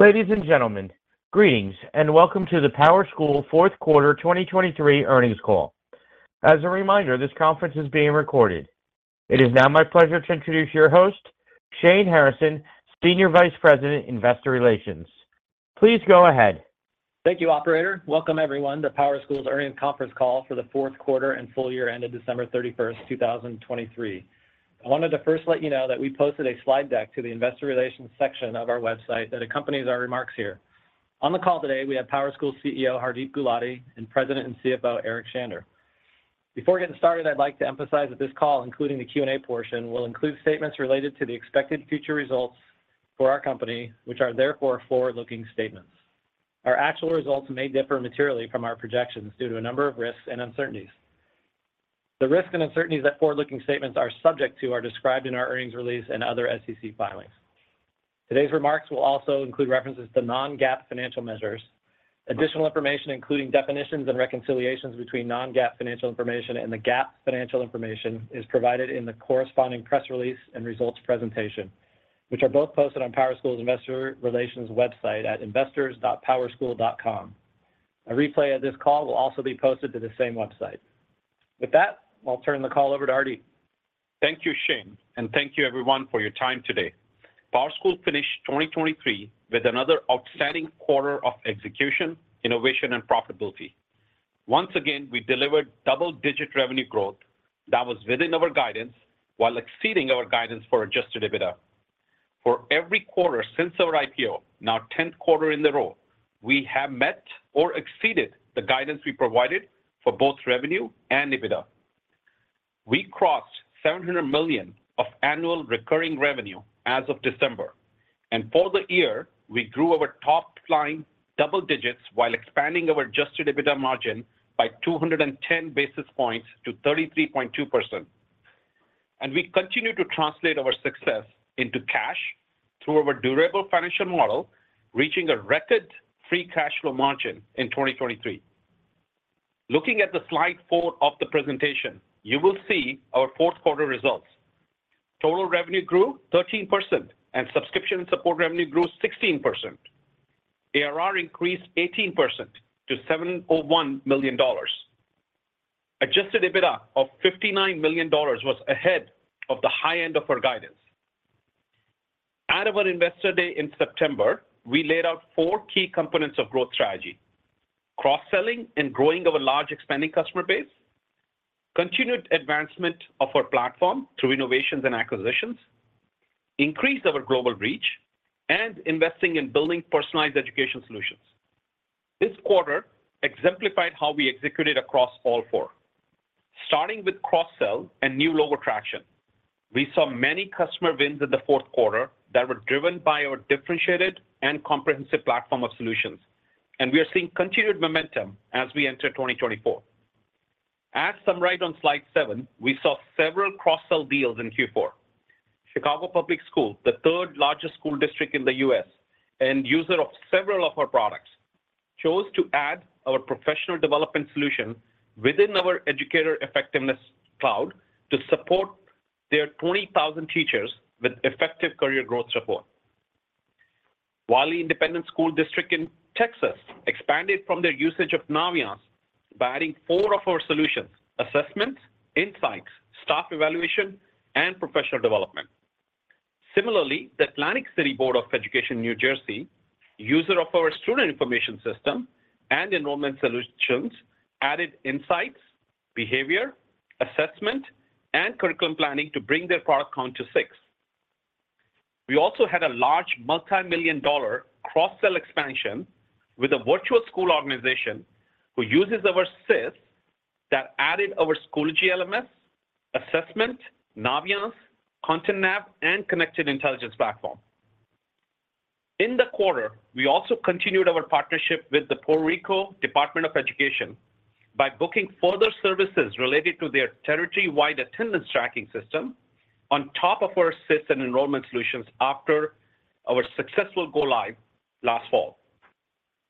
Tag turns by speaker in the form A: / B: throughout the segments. A: Ladies and gentlemen, greetings, and welcome to the PowerSchool Fourth Quarter 2023 earnings call. As a reminder, this conference is being recorded. It is now my pleasure to introduce your host, Shane Harrison, Senior Vice President, Investor Relations. Please go ahead.
B: Thank you, operator. Welcome, everyone, to PowerSchool's Earnings Conference call for the fourth quarter and full year ended December 31, 2023. I wanted to first let you know that we posted a slide deck to the investor relations section of our website that accompanies our remarks here. On the call today, we have PowerSchool CEO Hardeep Gulati and President and CFO Eric Shander. Before getting started, I'd like to emphasize that this call, including the Q&A portion, will include statements related to the expected future results for our company, which are therefore forward-looking statements. Our actual results may differ materially from our projections due to a number of risks and uncertainties. The risks and uncertainties that forward-looking statements are subject to are described in our earnings release and other SEC filings. Today's remarks will also include references to non-GAAP financial measures. Additional information, including definitions and reconciliations between non-GAAP financial information and the GAAP financial information, is provided in the corresponding press release and results presentation, which are both posted on PowerSchool's investor relations website at investors.powerschool.com. A replay of this call will also be posted to the same website. With that, I'll turn the call over to Hardeep.
C: Thank you, Shane, and thank you everyone for your time today. PowerSchool finished 2023 with another outstanding quarter of execution, innovation, and profitability. Once again, we delivered double-digit revenue growth that was within our guidance while exceeding our guidance for adjusted EBITDA. For every quarter since our IPO, now 10th quarter in a row, we have met or exceeded the guidance we provided for both revenue and EBITDA. We crossed $700 million of annual recurring revenue as of December, and for the year, we grew our top line double digits while expanding our adjusted EBITDA margin by 210 basis points to 33.2%. We continue to translate our success into cash through our durable financial model, reaching a record free cash flow margin in 2023. Looking at the slide four of the presentation, you will see our fourth quarter results. Total revenue grew 13%, and subscription and support revenue grew 16%. ARR increased 18% to $701 million. Adjusted EBITDA of $59 million was ahead of the high end of our guidance. At our Investor Day in September, we laid out four key components of growth strategy: cross-selling and growing of a large expanding customer base, continued advancement of our platform through innovations and acquisitions, increase our global reach, and investing in building personalized education solutions. This quarter exemplified how we executed across all four. Starting with cross-sell and new logo traction, we saw many customer wins in the fourth quarter that were driven by our differentiated and comprehensive platform of solutions, and we are seeing continued momentum as we enter 2024. As summarized on slide seven, we saw several cross-sell deals in Q4. Chicago Public Schools, the third largest school district in the U.S. and user of several of our products, chose to add our Professional Development solution within our Educator Effectiveness Cloud to support their 20,000 teachers with effective career growth support. Wylie Independent School District in Texas expanded from their usage of Naviance by adding four of our solutions: Assessments, Insights, Staff Evaluation, and Professional Development. Similarly, the Atlantic City Board of Education, New Jersey, user of our student information system and enrollment solutions, added Insights, Behavior, Assessment, and Curriculum Planning to bring their product count to six. We also had a large multimillion-dollar cross-sell expansion with a virtual school organization who uses our SIS that added our Schoology LMS, Assessment, Naviance, ContentNav, and Connected Intelligence platform. In the quarter, we also continued our partnership with the Puerto Rico Department of Education by booking further services related to their territory-wide attendance tracking system on top of our SIS and enrollment solutions after our successful go-live last fall.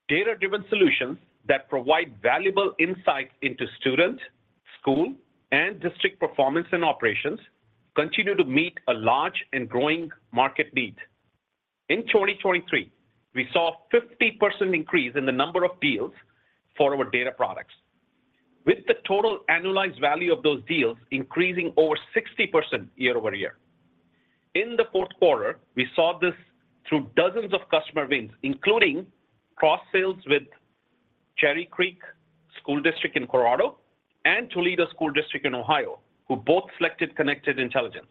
C: Data-driven solutions that provide valuable insights into student, school, and district performance and operations continue to meet a large and growing market need. In 2023, we saw 50% increase in the number of deals for our data products, with the total annualized value of those deals increasing over 60% year-over-year. In the fourth quarter, we saw this through dozens of customer wins, including cross-sales with Cherry Creek School District in Colorado and Toledo School District in Ohio, who both selected Connected Intelligence.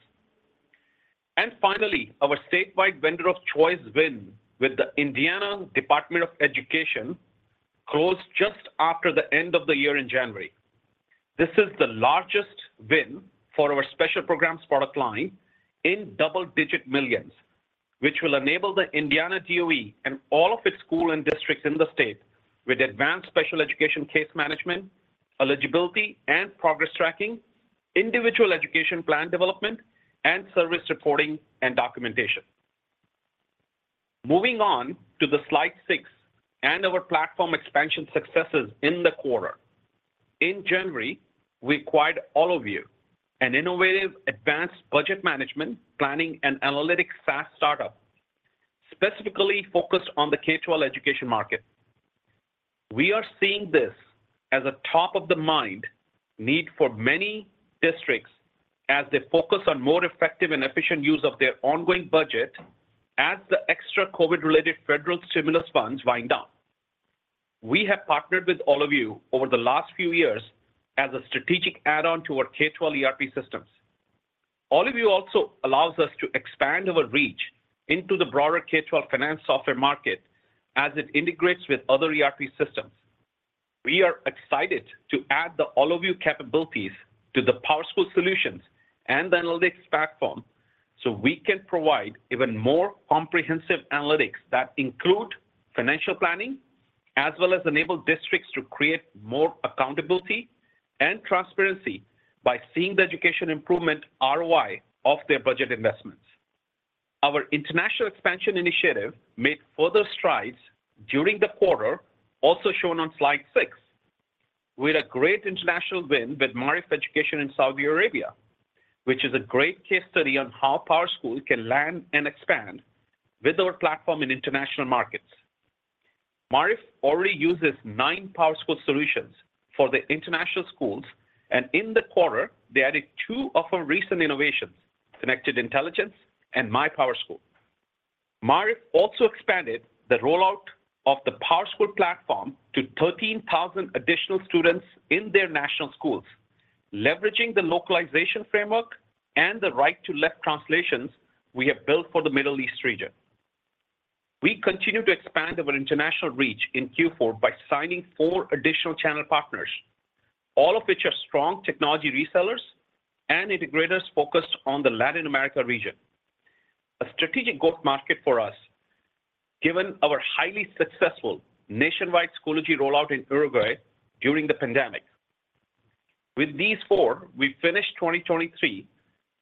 C: Finally, our statewide vendor of choice win with the Indiana Department of Education closed just after the end of the year in January. This is the largest win for our Special Programs product line in double-digit millions, which will enable the Indiana DOE and all of its schools and districts in the state with advanced special education case management, eligibility and progress tracking, Individual Education Plan development, and service reporting and documentation. Moving on to Slide 6 and our platform expansion successes in the quarter... In January, we acquired Allovue, an innovative advanced budget management, planning, and analytics SaaS startup, specifically focused on the K-12 education market. We are seeing this as a top-of-the-mind need for many districts as they focus on more effective and efficient use of their ongoing budget as the extra COVID-related federal stimulus funds wind down. We have partnered with Allovue over the last few years as a strategic add-on to our K-12 ERP systems. Allovue also allows us to expand our reach into the broader K-12 finance software market as it integrates with other ERP systems. We are excited to add the Allovue capabilities to the PowerSchool solutions and analytics platform, so we can provide even more comprehensive analytics that include financial planning, as well as enable districts to create more accountability and transparency by seeing the education improvement ROI of their budget investments. Our international expansion initiative made further strides during the quarter, also shown on slide six, with a great international win with Ma'arif Education in Saudi Arabia, which is a great case study on how PowerSchool can land and expand with our platform in international markets. Ma'arif already uses nine PowerSchool solutions for the international schools, and in the quarter, they added two of our recent innovations, Connected Intelligence and MyPowerSchool. Ma'arif also expanded the rollout of the PowerSchool platform to 13,000 additional students in their national schools, leveraging the localization framework and the right-to-left translations we have built for the Middle East region. We continue to expand our international reach in Q4 by signing four additional channel partners, all of which are strong technology resellers and integrators focused on the Latin America region, a strategic growth market for us, given our highly successful nationwide Schoology rollout in Uruguay during the pandemic. With these four, we finished 2023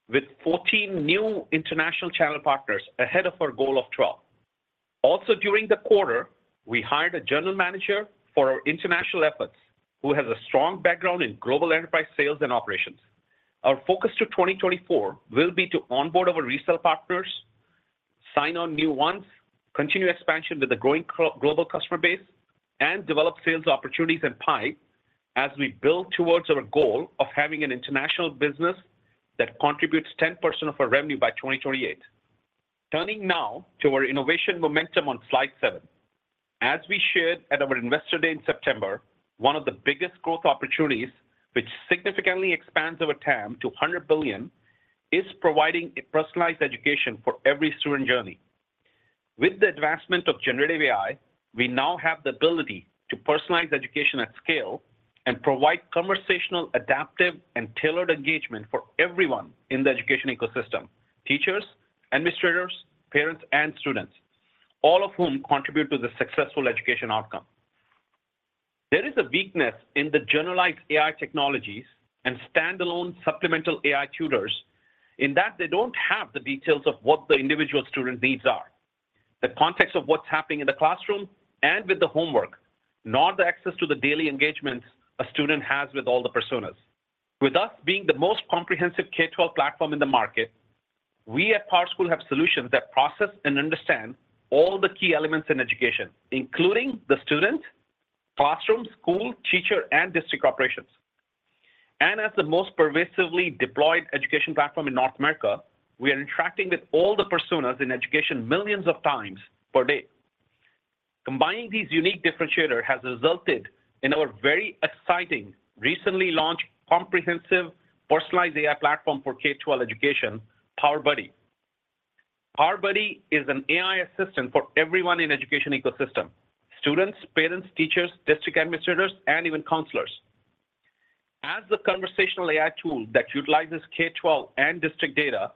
C: with 14 new international channel partners ahead of our goal of 12. Also, during the quarter, we hired a general manager for our international efforts, who has a strong background in global enterprise sales and operations. Our focus to 2024 will be to onboard our resale partners, sign on new ones, continue expansion with the growing global customer base, and develop sales opportunities and pipe as we build towards our goal of having an international business that contributes 10% of our revenue by 2028. Turning now to our innovation momentum on slide seven. As we shared at our Investor Day in September, one of the biggest growth opportunities, which significantly expands our TAM to $100 billion, is providing a personalized education for every student journey. With the advancement of generative AI, we now have the ability to personalize education at scale and provide conversational, adaptive, and tailored engagement for everyone in the education ecosystem: teachers, administrators, parents, and students, all of whom contribute to the successful education outcome. There is a weakness in the generalized AI technologies and standalone supplemental AI tutors in that they don't have the details of what the individual student needs are, the context of what's happening in the classroom and with the homework, nor the access to the daily engagements a student has with all the personas. With us being the most comprehensive K-12 platform in the market, we at PowerSchool have solutions that process and understand all the key elements in education, including the student, classroom, school, teacher, and district operations. As the most pervasively deployed education platform in North America, we are interacting with all the personas in education millions of times per day. Combining these unique differentiator has resulted in our very exciting, recently launched, comprehensive, personalized AI platform for K-12 education, PowerBuddy. PowerBuddy is an AI assistant for everyone in education ecosystem, students, parents, teachers, district administrators, and even counselors. As the conversational AI tool that utilizes K-12 and district data,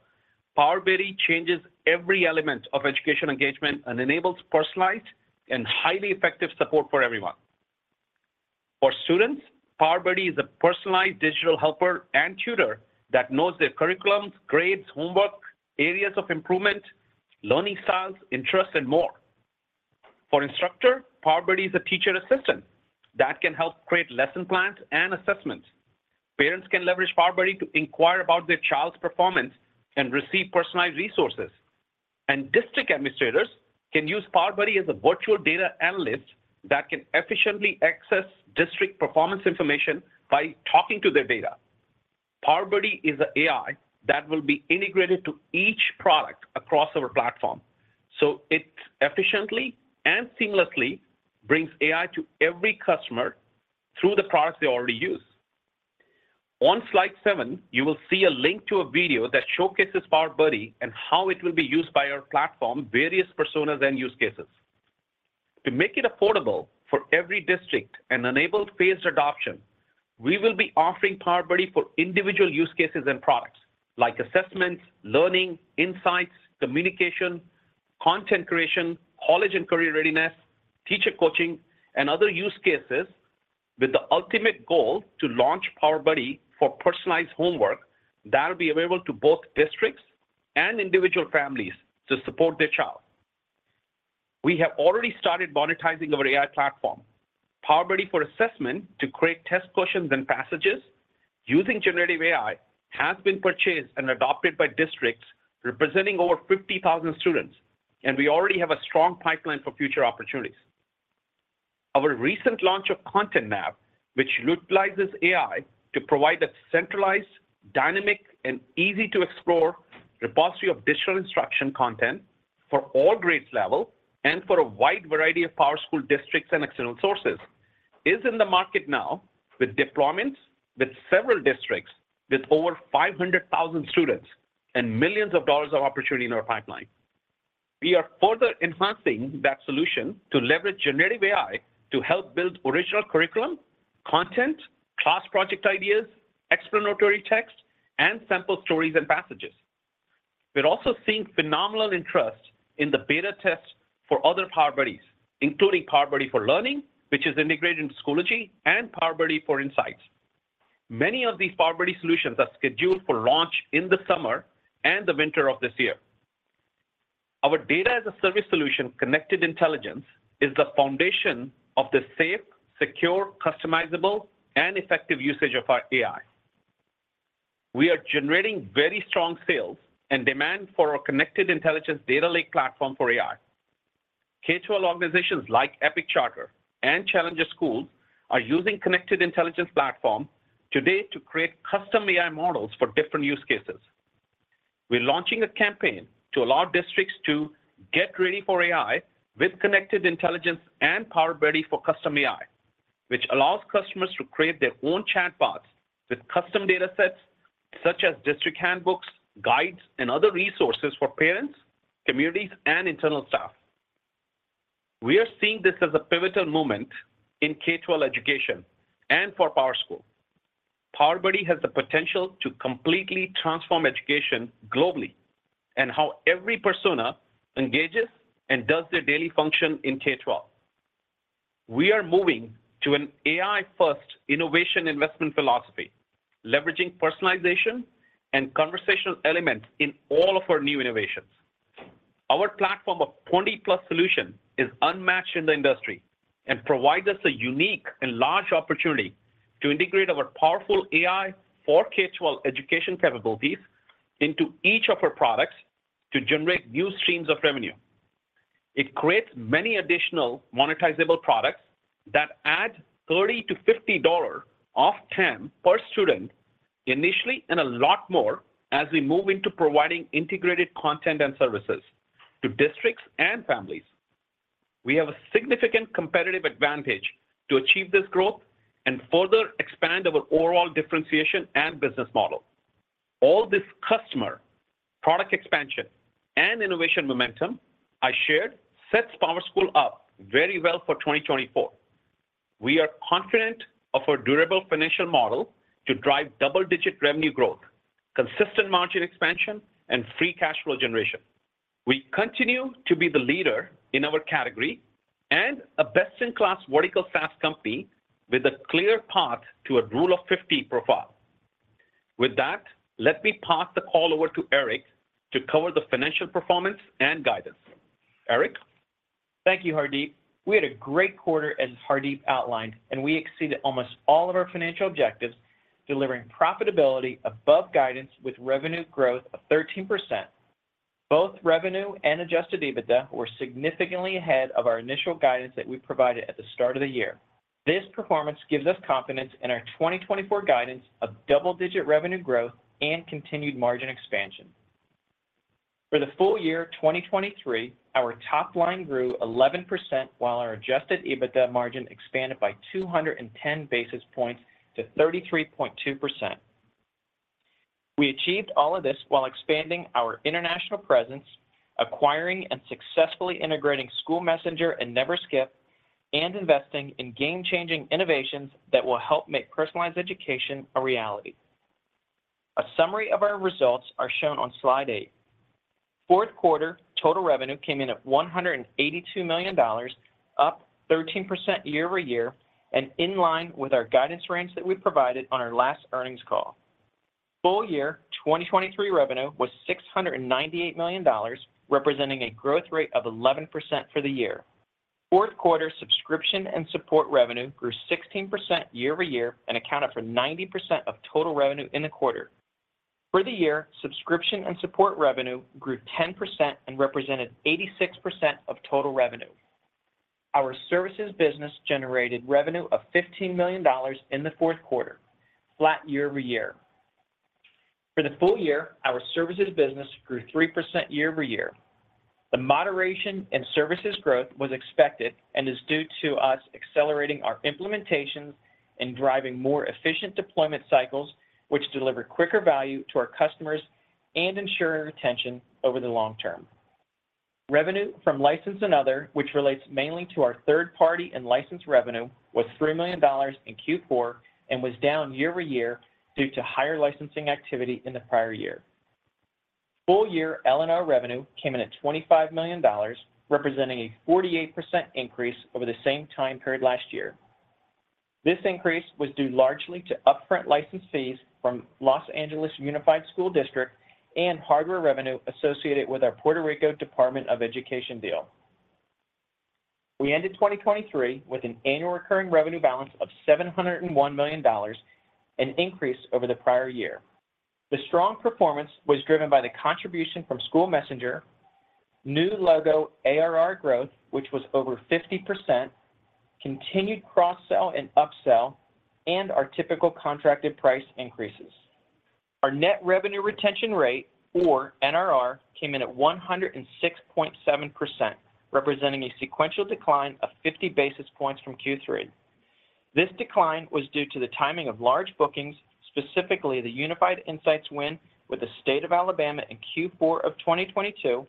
C: PowerBuddy changes every element of education engagement and enables personalized and highly effective support for everyone. For students, PowerBuddy is a personalized digital helper and tutor that knows their curriculums, grades, homework, areas of improvement, learning styles, interests, and more. For instructor, PowerBuddy is a teacher assistant that can help create lesson plans and Assessments. Parents can leverage PowerBuddy to inquire about their child's performance and receive personalized resources. District administrators can use PowerBuddy as a virtual data analyst that can efficiently access district performance information by talking to their data. PowerBuddy is an AI that will be integrated to each product across our platform, so it efficiently and seamlessly brings AI to every customer through the products they already use. On slide seven, you will see a link to a video that showcases PowerBuddy and how it will be used by our platform, various personas and use cases. To make it affordable for every district and enable phased adoption, we will be offering PowerBuddy for individual use cases and products like Assessments, learning, insights, communication, content creation, college and career readiness, teacher coaching, and other use cases, with the ultimate goal to launch PowerBuddy for personalized homework that will be available to both districts and individual families to support their child. We have already started monetizing our AI platform. PowerBuddy for Assessment to create test questions and passages using generative AI has been purchased and adopted by districts representing over 50,000 students, and we already have a strong pipeline for future opportunities. Our recent launch of ContentNav, which utilizes AI to provide a centralized, dynamic, and easy-to-explore repository of digital instruction content for all grade levels and for a wide variety of PowerSchool districts and external sources, is in the market now with deployments with several districts with over 500,000 students and $ millions of opportunity in our pipeline. We are further enhancing that solution to leverage generative AI to help build original curriculum, content, class project ideas, explanatory text, and sample stories and passages. We're also seeing phenomenal interest in the beta test for other PowerBuddies, including PowerBuddy for Learning, which is integrated into Schoology, and PowerBuddy for Insights. Many of these PowerBuddy solutions are scheduled for launch in the summer and the winter of this year. Our data-as-a-service solution, Connected Intelligence, is the foundation of the safe, secure, customizable, and effective usage of our AI. We are generating very strong sales and demand for our Connected Intelligence Data Lake platform for AI. K-12 organizations like Epic Charter and Challenger Schools are using Connected Intelligence platform today to create custom AI models for different use cases. We're launching a campaign to allow districts to get ready for AI with Connected Intelligence and PowerBuddy for Custom AI, which allows customers to create their own chatbots with custom datasets such as district handbooks, guides, and other resources for parents, communities, and internal staff. We are seeing this as a pivotal moment in K-12 education and for PowerSchool. PowerBuddy has the potential to completely transform education globally, and how every persona engages and does their daily function in K-12. We are moving to an AI-first innovation investment philosophy, leveraging personalization and conversational elements in all of our new innovations. Our platform of 20+ solution is unmatched in the industry and provides us a unique and large opportunity to integrate our powerful AI for K-12 education capabilities into each of our products to generate new streams of revenue. It creates many additional monetizable products that add $30-$50 of TAM per student initially, and a lot more as we move into providing integrated content and services to districts and families. We have a significant competitive advantage to achieve this growth and further expand our overall differentiation and business model. All this customer, product expansion, and innovation momentum I shared sets PowerSchool up very well for 2024. We are confident of our durable financial model to drive double-digit revenue growth, consistent margin expansion, and free cash flow generation. We continue to be the leader in our category and a best-in-class vertical SaaS company with a clear path to a Rule of 50 profile. With that, let me pass the call over to Eric to cover the financial performance and guidance. Eric?
D: Thank you, Hardeep. We had a great quarter, as Hardeep outlined, and we exceeded almost all of our financial objectives, delivering profitability above guidance with revenue growth of 13%. Both revenue and adjusted EBITDA were significantly ahead of our initial guidance that we provided at the start of the year. This performance gives us confidence in our 2024 guidance of double-digit revenue growth and continued margin expansion. For the full year 2023, our top line grew 11%, while our adjusted EBITDA margin expanded by 210 basis points to 33.2%. We achieved all of this while expanding our international presence, acquiring and successfully integrating SchoolMessenger and Neverskip, and investing in game-changing innovations that will help make personalized education a reality. A summary of our results are shown on slide eight. Fourth quarter total revenue came in at $182 million, up 13% year-over-year and in line with our guidance range that we provided on our last earnings call. Full year 2023 revenue was $698 million, representing a growth rate of 11% for the year. Fourth quarter subscription and support revenue grew 16% year-over-year and accounted for 90% of total revenue in the quarter. For the year, subscription and support revenue grew 10% and represented 86% of total revenue. Our services business generated revenue of $15 million in the fourth quarter, flat year-over-year. For the full year, our services business grew 3% year-over-year. The moderation in services growth was expected and is due to us accelerating our implementations and driving more efficient deployment cycles, which deliver quicker value to our customers and ensure retention over the long term. Revenue from license and other, which relates mainly to our third-party and licensed revenue, was $3 million in Q4 and was down year-over-year due to higher licensing activity in the prior year. Full-year L&O revenue came in at $25 million, representing a 48% increase over the same time period last year. This increase was due largely to upfront license fees from Los Angeles Unified School District and hardware revenue associated with our Puerto Rico Department of Education deal. We ended 2023 with an annual recurring revenue balance of $701 million, an increase over the prior year. The strong performance was driven by the contribution from SchoolMessenger, new logo ARR growth, which was over 50%, continued cross-sell and up-sell, and our typical contracted price increases. Our net revenue retention rate, or NRR, came in at 106.7%, representing a sequential decline of 50 basis points from Q3. This decline was due to the timing of large bookings, specifically the Unified Insights win with the state of Alabama in Q4 of 2022,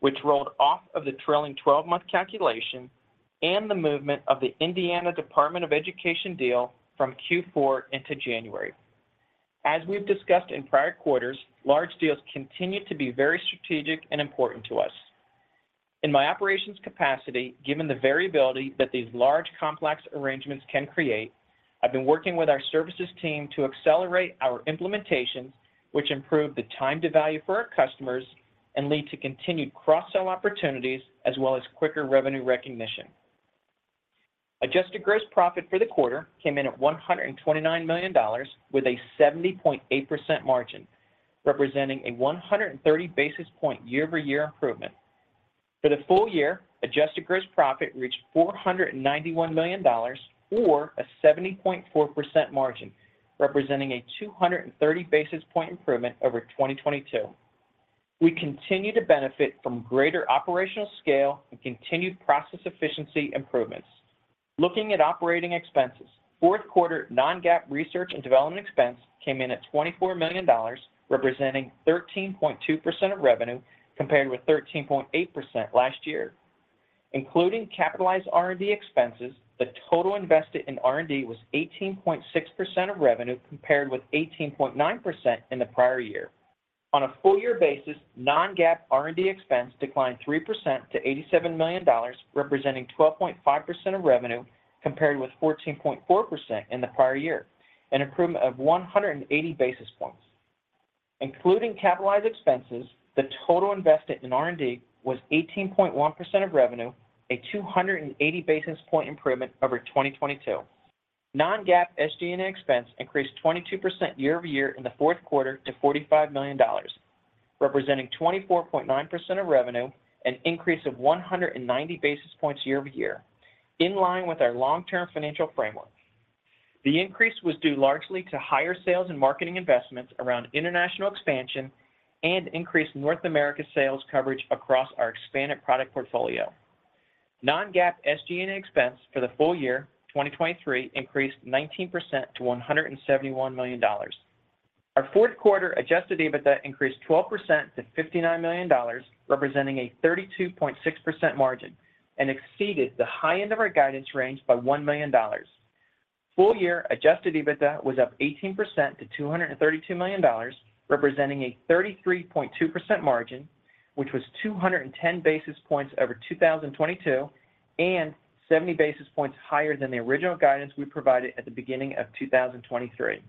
D: which rolled off of the trailing 12-month calculation and the movement of the Indiana Department of Education deal from Q4 into January. As we've discussed in prior quarters, large deals continue to be very strategic and important to us. In my operations capacity, given the variability that these large, complex arrangements can create, I've been working with our services team to accelerate our implementations, which improve the time to value for our customers and lead to continued cross-sell opportunities, as well as quicker revenue recognition. Adjusted gross profit for the quarter came in at $129 million, with a 70.8% margin, representing a 130 basis point year-over-year improvement. For the full year, adjusted gross profit reached $491 million, or a 70.4% margin, representing a 230 basis point improvement over 2022. We continue to benefit from greater operational scale and continued process efficiency improvements. Looking at operating expenses, fourth quarter non-GAAP research and development expense came in at $24 million, representing 13.2% of revenue, compared with 13.8% last year. Including capitalized R&D expenses, the total invested in R&D was 18.6% of revenue, compared with 18.9% in the prior year. On a full year basis, non-GAAP R&D expense declined 3% to $87 million, representing 12.5% of revenue, compared with 14.4% in the prior year, an improvement of 180 basis points. Including capitalized expenses, the total invested in R&D was 18.1% of revenue, a 280 basis point improvement over 2022. Non-GAAP SG&A expense increased 22% year-over-year in the fourth quarter to $45 million, representing 24.9% of revenue, an increase of 190 basis points year-over-year, in line with our long-term financial framework. The increase was due largely to higher sales and marketing investments around international expansion and increased North America sales coverage across our expanded product portfolio. Non-GAAP SG&A expense for the full year 2023 increased 19% to $171 million. Our fourth quarter adjusted EBITDA increased 12% to $59 million, representing a 32.6% margin, and exceeded the high end of our guidance range by $1 million. Full year adjusted EBITDA was up 18% to $232 million, representing a 33.2% margin, which was 210 basis points over 2022 and 70 basis points higher than the original guidance we provided at the beginning of 2023.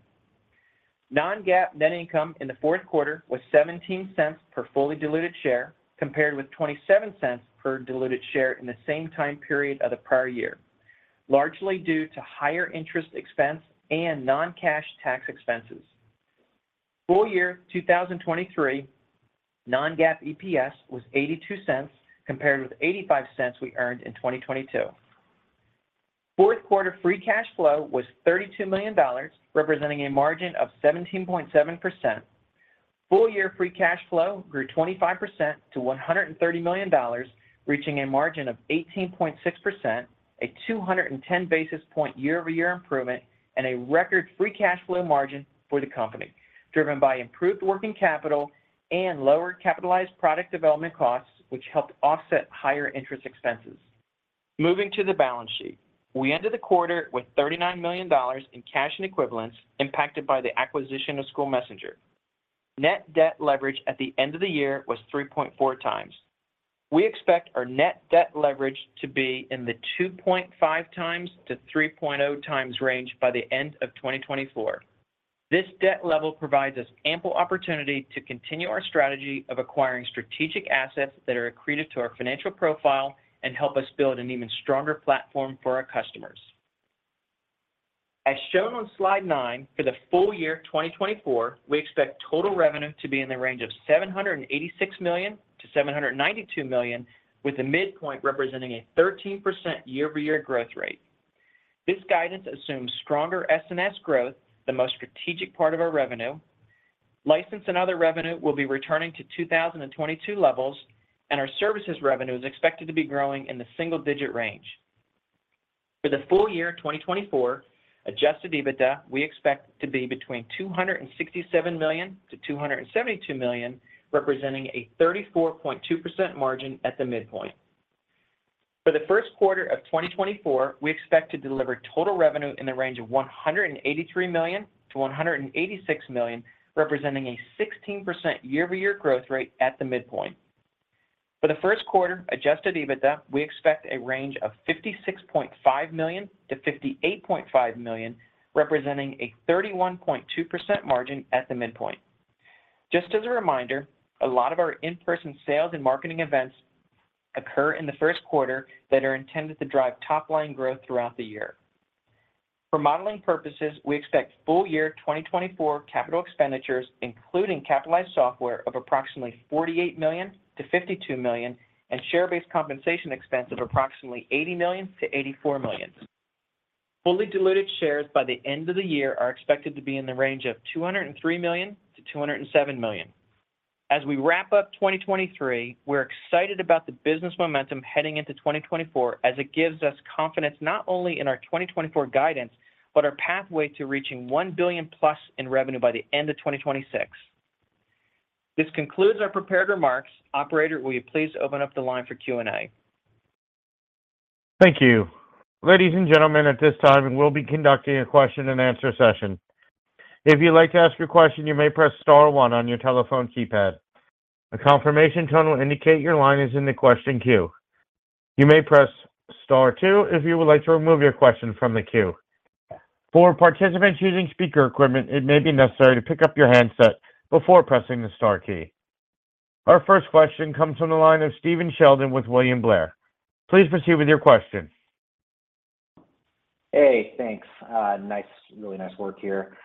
D: Non-GAAP net income in the fourth quarter was 17 cents per fully diluted share, compared with 27 cents per diluted share in the same time period of the prior year, largely due to higher interest expense and non-cash tax expenses. Full year 2023 non-GAAP EPS was 82 cents, compared with 85 cents we earned in 2022. Fourth quarter free cash flow was $32 million, representing a margin of 17.7%. Full year free cash flow grew 25% to $130 million, reaching a margin of 18.6%, a 210 basis point year-over-year improvement, and a record free cash flow margin for the company, driven by improved working capital and lower capitalized product development costs, which helped offset higher interest expenses. Moving to the balance sheet, we ended the quarter with $39 million in cash and equivalents impacted by the acquisition of SchoolMessenger. Net debt leverage at the end of the year was 3.4x. We expect our net debt leverage to be in the 2.5x-3.0x range by the end of 2024. This debt level provides us ample opportunity to continue our strategy of acquiring strategic assets that are accretive to our financial profile and help us build an even stronger platform for our customers. As shown on slide nine, for the full year 2024, we expect total revenue to be in the range of $786 million-$792 million, with a midpoint representing a 13% year-over-year growth rate. This guidance assumes stronger S&S growth, the most strategic part of our revenue. License and other revenue will be returning to 2022 levels, and our services revenue is expected to be growing in the single-digit range. For the full year 2024, adjusted EBITDA, we expect to be between $267 million-$272 million, representing a 34.2% margin at the midpoint. For the first quarter of 2024, we expect to deliver total revenue in the range of $183 million-$186 million, representing a 16% year-over-year growth rate at the midpoint. For the first quarter, adjusted EBITDA, we expect a range of $56.5 million-$58.5 million, representing a 31.2% margin at the midpoint. Just as a reminder, a lot of our in-person sales and marketing events occur in the first quarter that are intended to drive top-line growth throughout the year. For modeling purposes, we expect full year 2024 capital expenditures, including capitalized software, of approximately $48 million-$52 million, and share-based compensation expense of approximately $80 million-$84 million. Fully diluted shares by the end of the year are expected to be in the range of 203 million-207 million. As we wrap up 2023, we're excited about the business momentum heading into 2024, as it gives us confidence not only in our 2024 guidance, but our pathway to reaching 1 billion+ in revenue by the end of 2026. This concludes our prepared remarks. Operator, will you please open up the line for Q&A?
A: Thank you. Ladies and gentlemen, at this time, we'll be conducting a question-and-answer session. If you'd like to ask your question, you may press star one on your telephone keypad. A confirmation tone will indicate your line is in the question queue. You may press star two if you would like to remove your question from the queue. For participants using speaker equipment, it may be necessary to pick up your handset before pressing the star key. Our first question comes from the line of Stephen Sheldon with William Blair. Please proceed with your question.
E: Hey, thanks. Nice, really nice work here.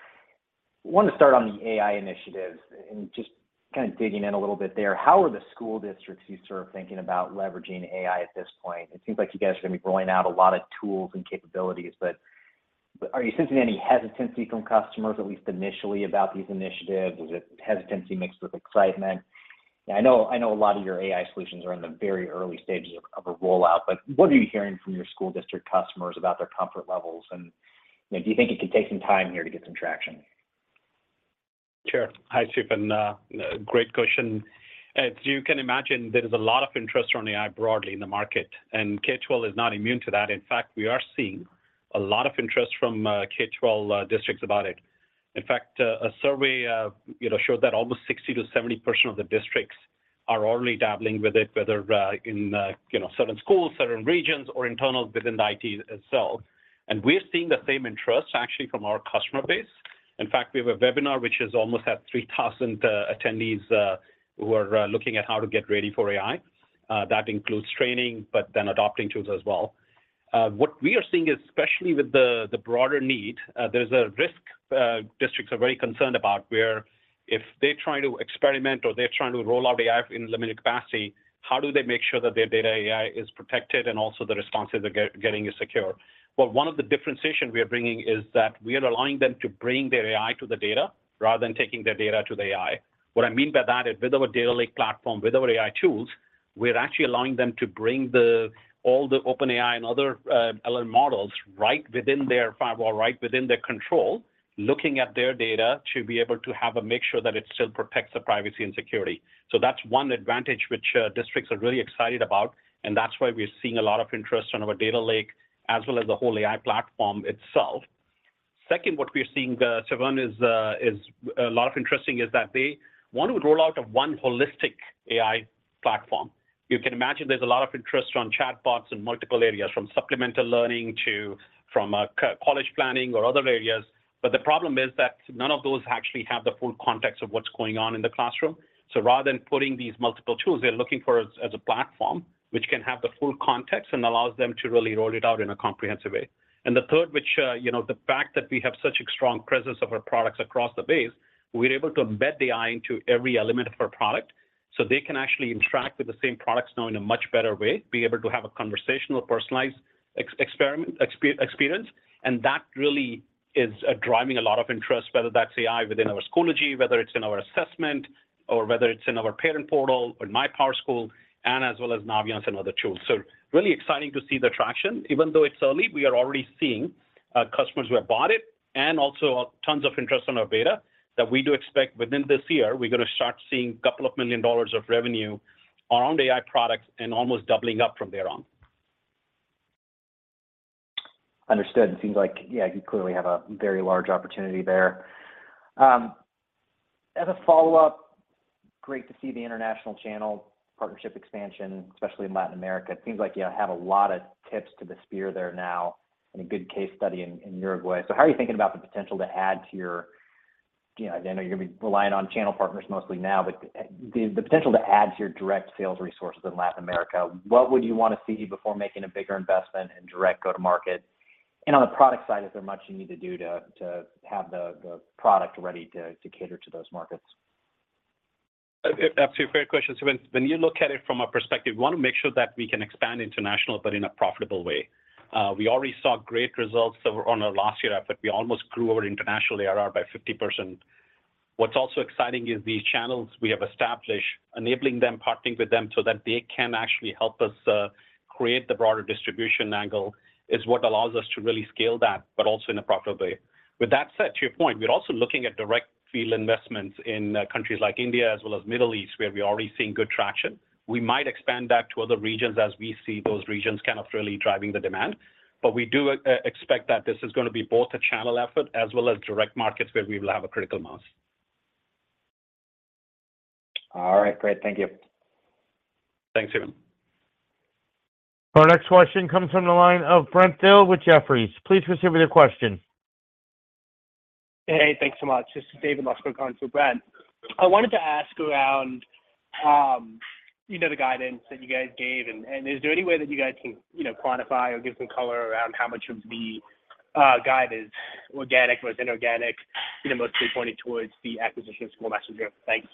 E: Wanted to start on the AI initiative and just kind of digging in a little bit there. How are the school districts you sort of thinking about leveraging AI at this point? It seems like you guys are going to be rolling out a lot of tools and capabilities, but are you sensing any hesitancy from customers, at least initially, about these initiatives? Is it hesitancy mixed with excitement? I know a lot of your AI solutions are in the very early stages of a rollout, but what are you hearing from your school district customers about their comfort levels? You know, do you think it could take some time here to get some traction?
C: Sure. Hi, Steven, great question. As you can imagine, there is a lot of interest on AI broadly in the market, and K-12 is not immune to that. In fact, we are seeing a lot of interest from K-12 districts about it. In fact, a survey you know showed that almost 60%-70% of the districts are already dabbling with it, whether in you know certain schools, certain regions, or internal within the IT itself. We're seeing the same interest, actually, from our customer base. In fact, we have a webinar, which has almost had 3,000 attendees who are looking at how to get ready for AI. That includes training, but then adopting tools as well. What we are seeing is, especially with the broader need, there's a risk districts are very concerned about, where if they're trying to experiment or they're trying to roll out AI in limited capacity, how do they make sure that their data AI is protected and also the responses they're getting is secure? But one of the differentiation we are bringing is that we are allowing them to bring their AI to the data rather than taking their data to the AI. What I mean by that is, with our data lake platform, with our AI tools, we're actually allowing them to bring all the OpenAI and other LLM models right within their firewall, right within their control, looking at their data, to be able to have and make sure that it still protects the privacy and security. So that's one advantage which districts are really excited about, and that's why we're seeing a lot of interest in our data lake, as well as the whole AI platform itself. Second, what we're seeing, Steven, is a lot of interest that they want to roll out a one holistic AI platform. You can imagine there's a lot of interest in chatbots in multiple areas, from supplemental learning to college planning or other areas, but the problem is that none of those actually have the full context of what's going on in the classroom. So rather than putting these multiple tools, they're looking for us as a platform which can have the full context and allows them to really roll it out in a comprehensive way. And the third, which, you know, the fact that we have such a strong presence of our products across the base, we're able to embed the AI into every element of our product, so they can actually interact with the same products now in a much better way, be able to have a conversational, personalized experience. And that really is driving a lot of interest, whether that's AI within our Schoology, whether it's in our assessment, or whether it's in our parent portal or MyPowerSchool, and as well as Naviance and other tools. So really exciting to see the traction. Even though it's early, we are already seeing customers who have bought it and also tons of interest on our beta that we do expect within this year, we're gonna start seeing a couple of million dollars of revenue on AI products and almost doubling up from there on.
E: Understood. It seems like, yeah, you clearly have a very large opportunity there. As a follow-up, great to see the international channel partnership expansion, especially in Latin America. It seems like you have a lot of tips to the spear there now and a good case study in Uruguay. So how are you thinking about the potential to add to your--you know, I know you're gonna be relying on channel partners mostly now, but the potential to add to your direct sales resources in Latin America, what would you want to see before making a bigger investment in direct go-to-market? And on the product side, is there much you need to do to have the product ready to cater to those markets?
C: That's a fair question. So when, when you look at it from a perspective, we wanna make sure that we can expand international, but in a profitable way. We already saw great results. So on our last year effort, we almost grew our international ARR by 50%. What's also exciting is these channels we have established, enabling them, partnering with them, so that they can actually help us, create the broader distribution angle, is what allows us to really scale that, but also in a profitable way. With that said, to your point, we're also looking at direct field investments in, countries like India as well as Middle East, where we're already seeing good traction. We might expand that to other regions as we see those regions kind of really driving the demand. But we do expect that this is gonna be both a channel effort as well as direct markets, where we will have a critical mass.
E: All right, great. Thank you.
C: Thanks, Stephen.
A: Our next question comes from the line of David Lustberg with Jefferies. Please proceed with your question.
F: Hey, thanks so much. This is David Lustberg, going through Brent. I wanted to ask around, you know, the guidance that you guys gave, and is there any way that you guys can, you know, quantify or give some color around how much of the guide is organic versus inorganic, you know, mostly pointed towards the acquisition of SchoolMessenger? Thanks.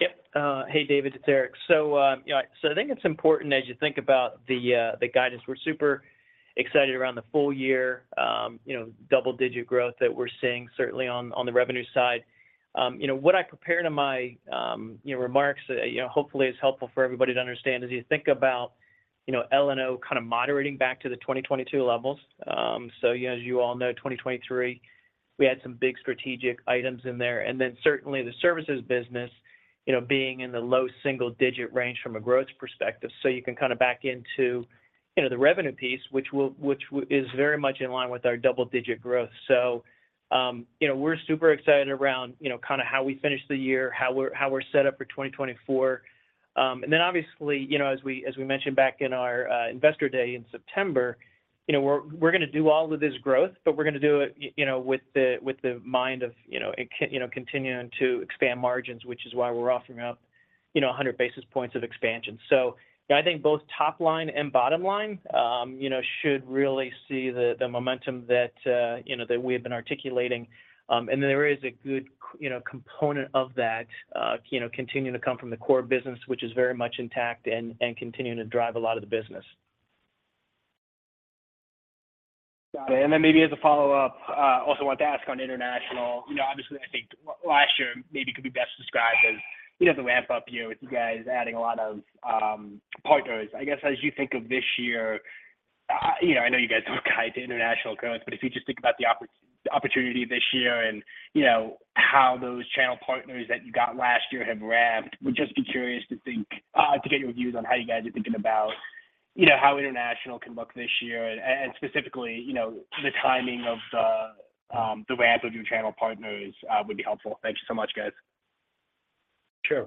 D: Yeah. Hey, David, it's Eric. So, yeah, so I think it's important as you think about the guidance, we're super excited around the full year, you know, double-digit growth that we're seeing certainly on the revenue side. You know, what I prepare to my, you know, remarks, you know, hopefully is helpful for everybody to understand as you think about, you know, L&O kind of moderating back to the 2022 levels. So yeah, as you all know, 2023, we had some big strategic items in there, and then certainly the services business, you know, being in the low single digit range from a growth perspective. So you can kind of back into, you know, the revenue piece, which is very much in line with our double-digit growth. So, you know, we're super excited around, you know, kind of how we finish the year, how we're set up for 2024. And then obviously, you know, as we mentioned back in our investor day in September, you know, we're gonna do all of this growth, but we're gonna do it, you know, with the mind of, you know, continuing to expand margins, which is why we're offering up, you know, 100 basis points of expansion. So I think both top line and bottom line, you know, should really see the momentum that, you know, that we have been articulating. There is a good, you know, component of that, you know, continuing to come from the core business, which is very much intact and continuing to drive a lot of the business.
F: Got it. And then maybe as a follow-up, also want to ask on international. You know, obviously, I think last year maybe could be best described as, you know, the ramp-up year with you guys adding a lot of, partners. I guess, as you think of this year, you know, I know you guys don't guide to international growth, but if you just think about the opportunity this year and, you know, how those channel partners that you got last year have ramped, would just be curious to think, to get your views on how you guys are thinking about, you know, how international can look this year, and specifically, you know, the timing of the, the ramp with your channel partners, would be helpful? Thank you so much, guys.
C: Sure.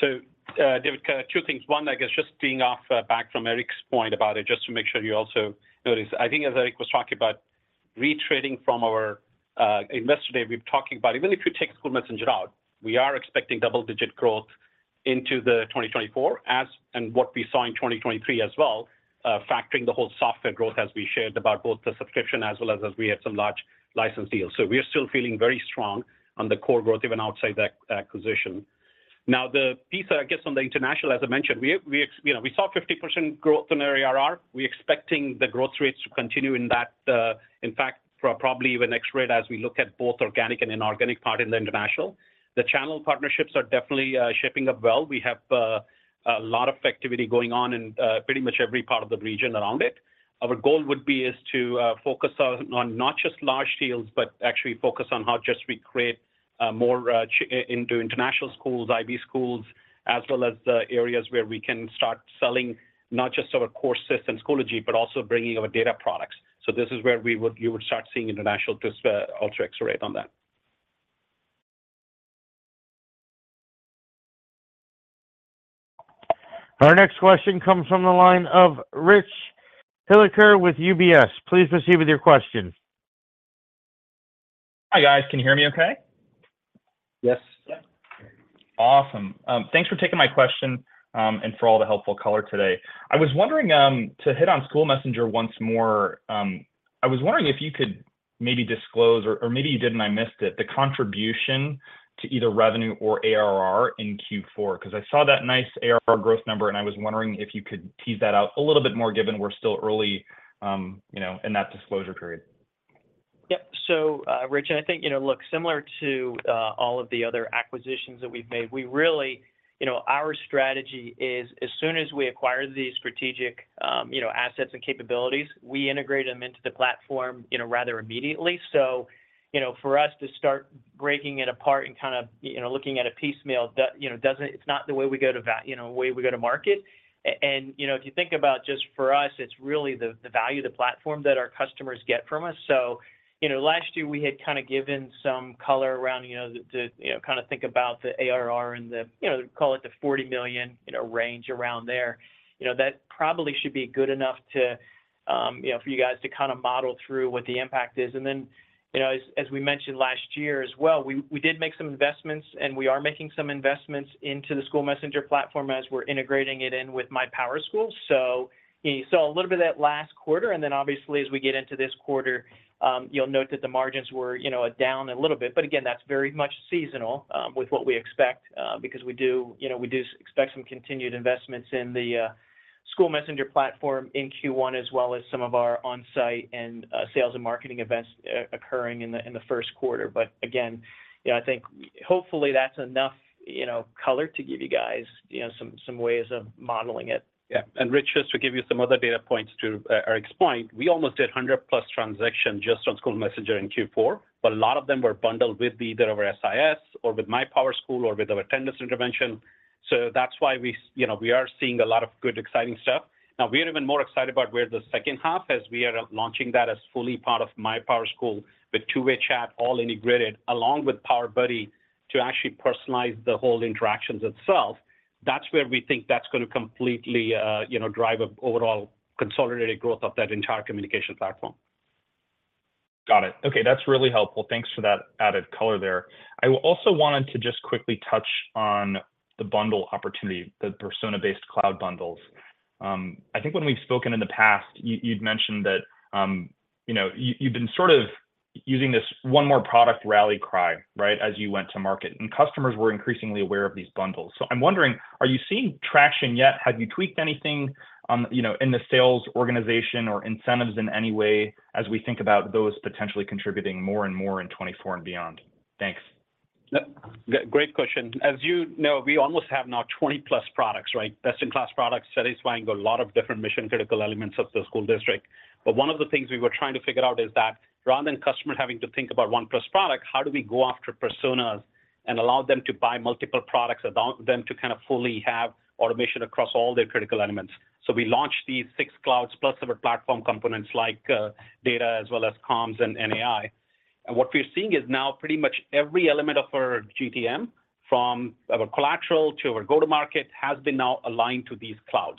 C: So, David, two things. One, I guess just being off back from Eric's point about it, just to make sure you also notice. I think as Eric was talking about retreading from our investor day, we've been talking about even if you take SchoolMessenger out, we are expecting double-digit growth into 2024, as and what we saw in 2023 as well, factoring the whole software growth as we shared about both the subscription as well as we had some large license deals. So we are still feeling very strong on the core growth, even outside the acquisition. Now, the piece, I guess, on the international, as I mentioned, we, you know, we saw 50% growth in our ARR. We're expecting the growth rates to continue in that-- In fact, for probably even X rate, as we look at both organic and inorganic part in the international. The channel partnerships are definitely shaping up well. We have a lot of activity going on in pretty much every part of the region around it. Our goal would be, is to focus on not just large deals, but actually focus on how just we create more channels into international schools, IB schools, as well as the areas where we can start selling not just our core systems, Schoology, but also bringing our data products. So this is where you would start seeing international just ultra X-rate on that.
A: Our next question comes from the line of Rich Hilliker with UBS. Please proceed with your question.
G: Hi, guys. Can you hear me okay?
C: Yes.
D: Yes.
G: Awesome. Thanks for taking my question, and for all the helpful color today. I was wondering, to hit on SchoolMessenger once more, I was wondering if you could maybe disclose, or, or maybe you did, and I missed it, the contribution to either revenue or ARR in Q4, because I saw that nice ARR growth number, and I was wondering if you could tease that out a little bit more, given we're still early, you know, in that disclosure period.
D: Yeah. So, Rich, and I think, you know, look, similar to all of the other acquisitions that we've made, we really, you know, our strategy is as soon as we acquire these strategic, you know, assets and capabilities, we integrate them into the platform, you know, rather immediately. So, you know, for us to start breaking it apart and kind of, you know, looking at a piecemeal, that, you know, doesn't, it's not the way we go to, you know, way we go to market. And, you know, if you think about just for us, it's really the, the value of the platform that our customers get from us. So, you know, last year, we had kind of given some color around, you know, the you know, kind of think about the ARR and the, you know, call it the $40 million range around there. You know, that probably should be good enough to, you know, for you guys to kind of model through what the impact is. And then, you know, as we mentioned last year as well, we did make some investments, and we are making some investments into the SchoolMessenger platform as we're integrating it in with MyPowerSchool. So you saw a little bit of that last quarter, and then obviously, as we get into this quarter, you'll note that the margins were, you know, down a little bit. But again, that's very much seasonal, with what we expect, because we do, you know, we do expect some continued investments in the, School Messenger platform in Q1, as well as some of our on-site and, sales and marketing events, occurring in the first quarter. But again, you know, I think hopefully that's enough, you know, color to give you guys, you know, some, some ways of modeling it.
C: Yeah, and Rich, just to give you some other data points to Eric's point, we almost did 100+ transactions just on SchoolMessenger in Q4, but a lot of them were bundled with either our SIS or with MyPowerSchool or with our Attendance Intervention. So that's why we, you know, we are seeing a lot of good, exciting stuff. Now, we are even more excited about where the second half, as we are launching that as fully part of MyPowerSchool, with two-way chat, all integrated, along with PowerBuddy, to actually personalize the whole interactions itself. That's where we think that's gonna completely, you know, drive a overall consolidated growth of that entire communication platform.
G: Got it. Okay, that's really helpful. Thanks for that added color there. I also wanted to just quickly touch on the bundle opportunity, the persona-based cloud bundles. I think when we've spoken in the past, you'd mentioned that, you know, you, you've been sort of using this one more product rally cry, right, as you went to market, and customers were increasingly aware of these bundles. So I'm wondering, are you seeing traction yet? Have you tweaked anything on, you know, in the sales organization or incentives in any way as we think about those potentially contributing more and more in 2024 and beyond? Thanks.
C: Yep. Great question. As you know, we almost have now 20+ products, right? Best-in-class products satisfying a lot of different mission-critical elements of the school district. But one of the things we were trying to figure out is that rather than customer having to think about 1+ product, how do we go after personas and allow them to buy multiple products, allow them to kind of fully have automation across all their critical elements? So we launched these 6 clouds, plus our platform components like data as well as comms and AI. And what we're seeing is now pretty much every element of our GTM, from our collateral to our go-to-market, has been now aligned to these clouds.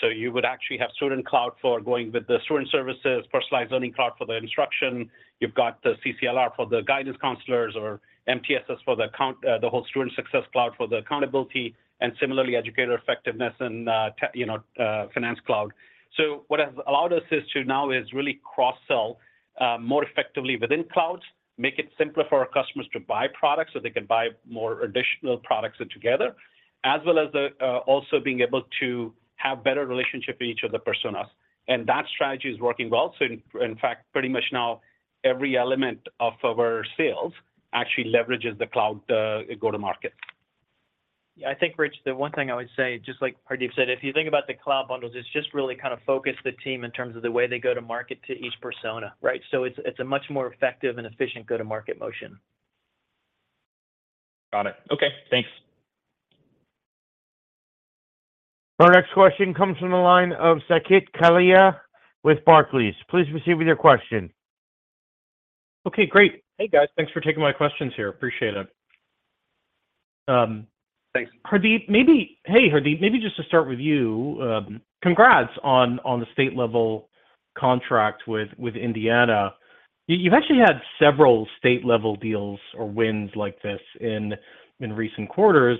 C: So you would actually have Student Cloud for going with the student services, Personalized Learning Cloud for the instruction. You've got the CCLR for the guidance counselors or MTSS for the counselors, the whole Student Success Cloud for the accountability, and similarly, educator effectiveness and, you know, Finance Cloud. So what has allowed us is to now is really cross-sell more effectively within clouds, make it simpler for our customers to buy products so they can buy more additional products together, as well as also being able to have better relationship with each of the personas. And that strategy is working well. So in fact, pretty much now every element of our sales actually leverages the cloud go-to-market.
D: Yeah, I think, Rich, the one thing I would say, just like Hardeep said, if you think about the cloud bundles, it's just really kind of focused the team in terms of the way they go-to-market to each persona, right? So it's a much more effective and efficient go-to-market motion.
G: Got it. Okay, thanks.
A: Our next question comes from the line of Saket Kalia with Barclays. Please proceed with your question.
H: Okay, great. Hey, guys. Thanks for taking my questions here. Appreciate it.
C: Thanks.
H: Hardeep, maybe. Hey, Hardeep, maybe just to start with you, congrats on the state-level contract with Indiana. You've actually had several state-level deals or wins like this in recent quarters,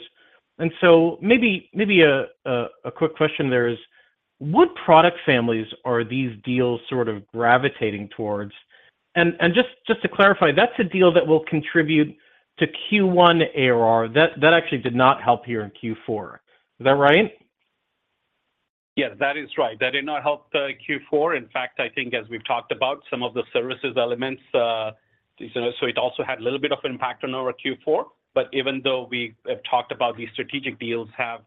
H: and so maybe a quick question there is, what product families are these deals sort of gravitating towards? And just to clarify, that's a deal that will contribute to Q1 ARR. That actually did not help you in Q4. Is that right?
C: Yeah, that is right. That did not help the Q4. In fact, I think as we've talked about some of the services elements, so it also had a little bit of an impact on our Q4. But even though we have talked about these strategic deals, have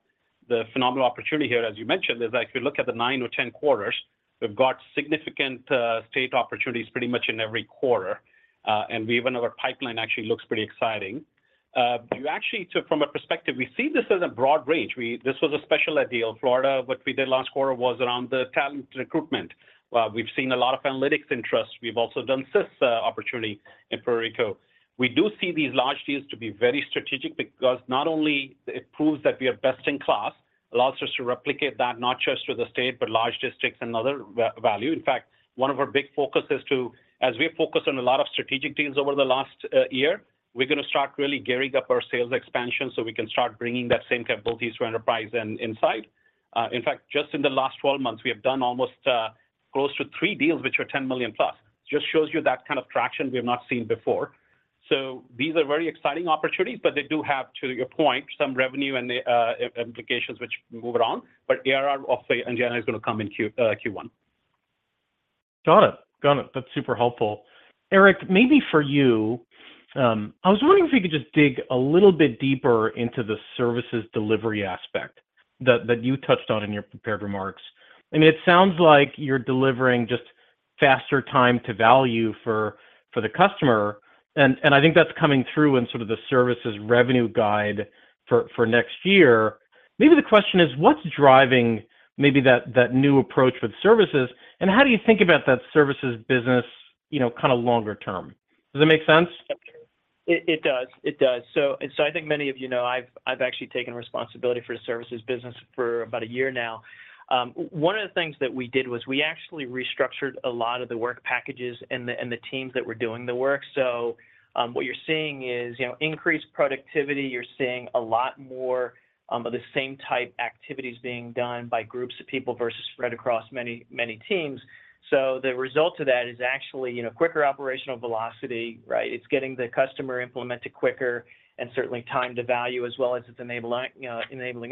C: the phenomenal opportunity here, as you mentioned, is if you look at the nine or ten quarters, we've got significant, state opportunities pretty much in every quarter. And we even our pipeline actually looks pretty exciting. You actually took from a perspective, we see this as a broad range. This was a special deal. Florida, what we did last quarter was around the talent recruitment. We've seen a lot of analytics interest. We've also done this, opportunity in Puerto Rico. We do see these large deals to be very strategic because not only it proves that we are best in class, allows us to replicate that not just to the state, but large districts and other value. In fact, one of our big focuses to, as we focus on a lot of strategic deals over the last year, we're gonna start really gearing up our sales expansion so we can start bringing that same capabilities to enterprise and inside. In fact, just in the last 12 months, we have done almost close to 3 deals, which are $10 million plus. Just shows you that kind of traction we have not seen before. So these are very exciting opportunities, but they do have, to your point, some revenue and implications which move it on, but ARR also, Indiana, is gonna come in Q1.
H: Got it. That's super helpful. Eric, maybe for you, I was wondering if you could just dig a little bit deeper into the services delivery aspect that, that you touched on in your prepared remarks. I mean, it sounds like you're delivering just faster time to value for the customer, and I think that's coming through in sort of the services revenue guide for next year. Maybe the question is, what's driving maybe that, that new approach with services, and how do you think about that services business, you know, kind of longer term? Does that make sense?
D: It does. It does. So I think many of you know, I've actually taken responsibility for the services business for about a year now. One of the things that we did was we actually restructured a lot of the work packages and the teams that were doing the work. So what you're seeing is, you know, increased productivity. You're seeing a lot more of the same type activities being done by groups of people versus spread across many, many teams. So the result of that is actually, you know, quicker operational velocity, right? It's getting the customer implemented quicker and certainly time to value, as well as it's enabling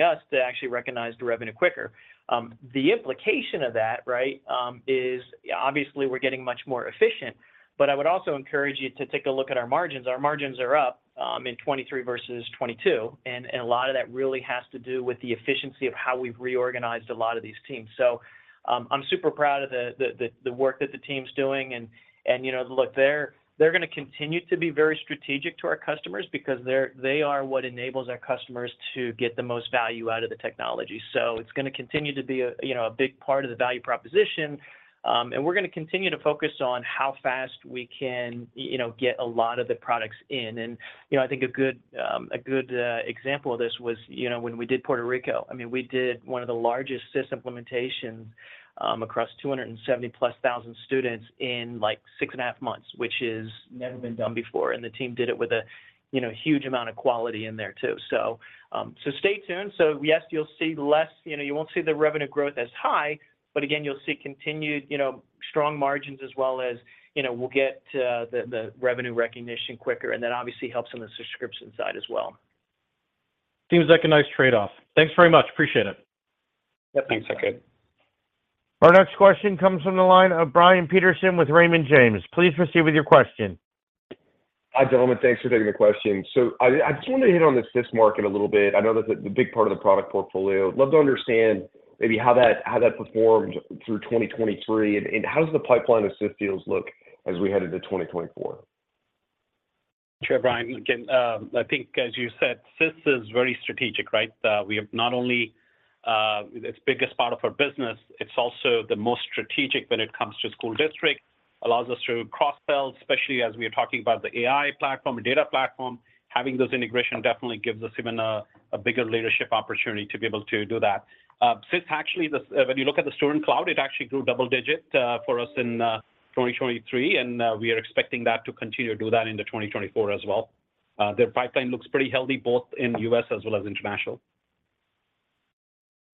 D: us to actually recognize the revenue quicker. The implication of that, right, is, obviously, we're getting much more efficient, but I would also encourage you to take a look at our margins. Our margins are up in 2023 versus 2022, and a lot of that really has to do with the efficiency of how we've reorganized a lot of these teams. So, I'm super proud of the work that the team's doing, and, you know, look, they're gonna continue to be very strategic to our customers because they're, they are what enables our customers to get the most value out of the technology. So it's gonna continue to be a, you know, a big part of the value proposition, and we're gonna continue to focus on how fast we can, you know, get a lot of the products in. You know, I think a good, a good, example of this was, you know, when we did Puerto Rico. I mean, we did one of the largest SIS implementations across 270,000+ students in, like, 6.5 months, which is never been done before, and the team did it with a, you know, huge amount of quality in there, too. So, so stay tuned. So yes, you'll see less--you know, you won't see the revenue growth as high, but again, you'll see continued, you know, strong margins as well as, you know, we'll get, the revenue recognition quicker, and that obviously helps on the subscription side as well.
H: Seems like a nice trade-off. Thanks very much. Appreciate it.
C: Yeah, thanks, okay.
A: Our next question comes from the line of Brian Peterson with Raymond James. Please proceed with your question.
I: Hi, gentlemen. Thanks for taking the question. I just wanted to hit on the SIS market a little bit. I know that's a, the big part of the product portfolio. Love to understand maybe how that performed through 2023, and, and how does the pipeline of SIS deals look as we head into 2024?
C: Sure, Brian. Again, I think as you said, SIS is very strategic, right? We have not only its biggest part of our business, it's also the most strategic when it comes to school district. Allows us to cross-sell, especially as we are talking about the AI platform and data platform. Having those integration definitely gives us even a bigger leadership opportunity to be able to do that. SIS, actually, when you look at the Student Cloud, it actually grew double-digit for us in 2023, and we are expecting that to continue to do that into 2024 as well. Their pipeline looks pretty healthy, both in the U.S. as well as international.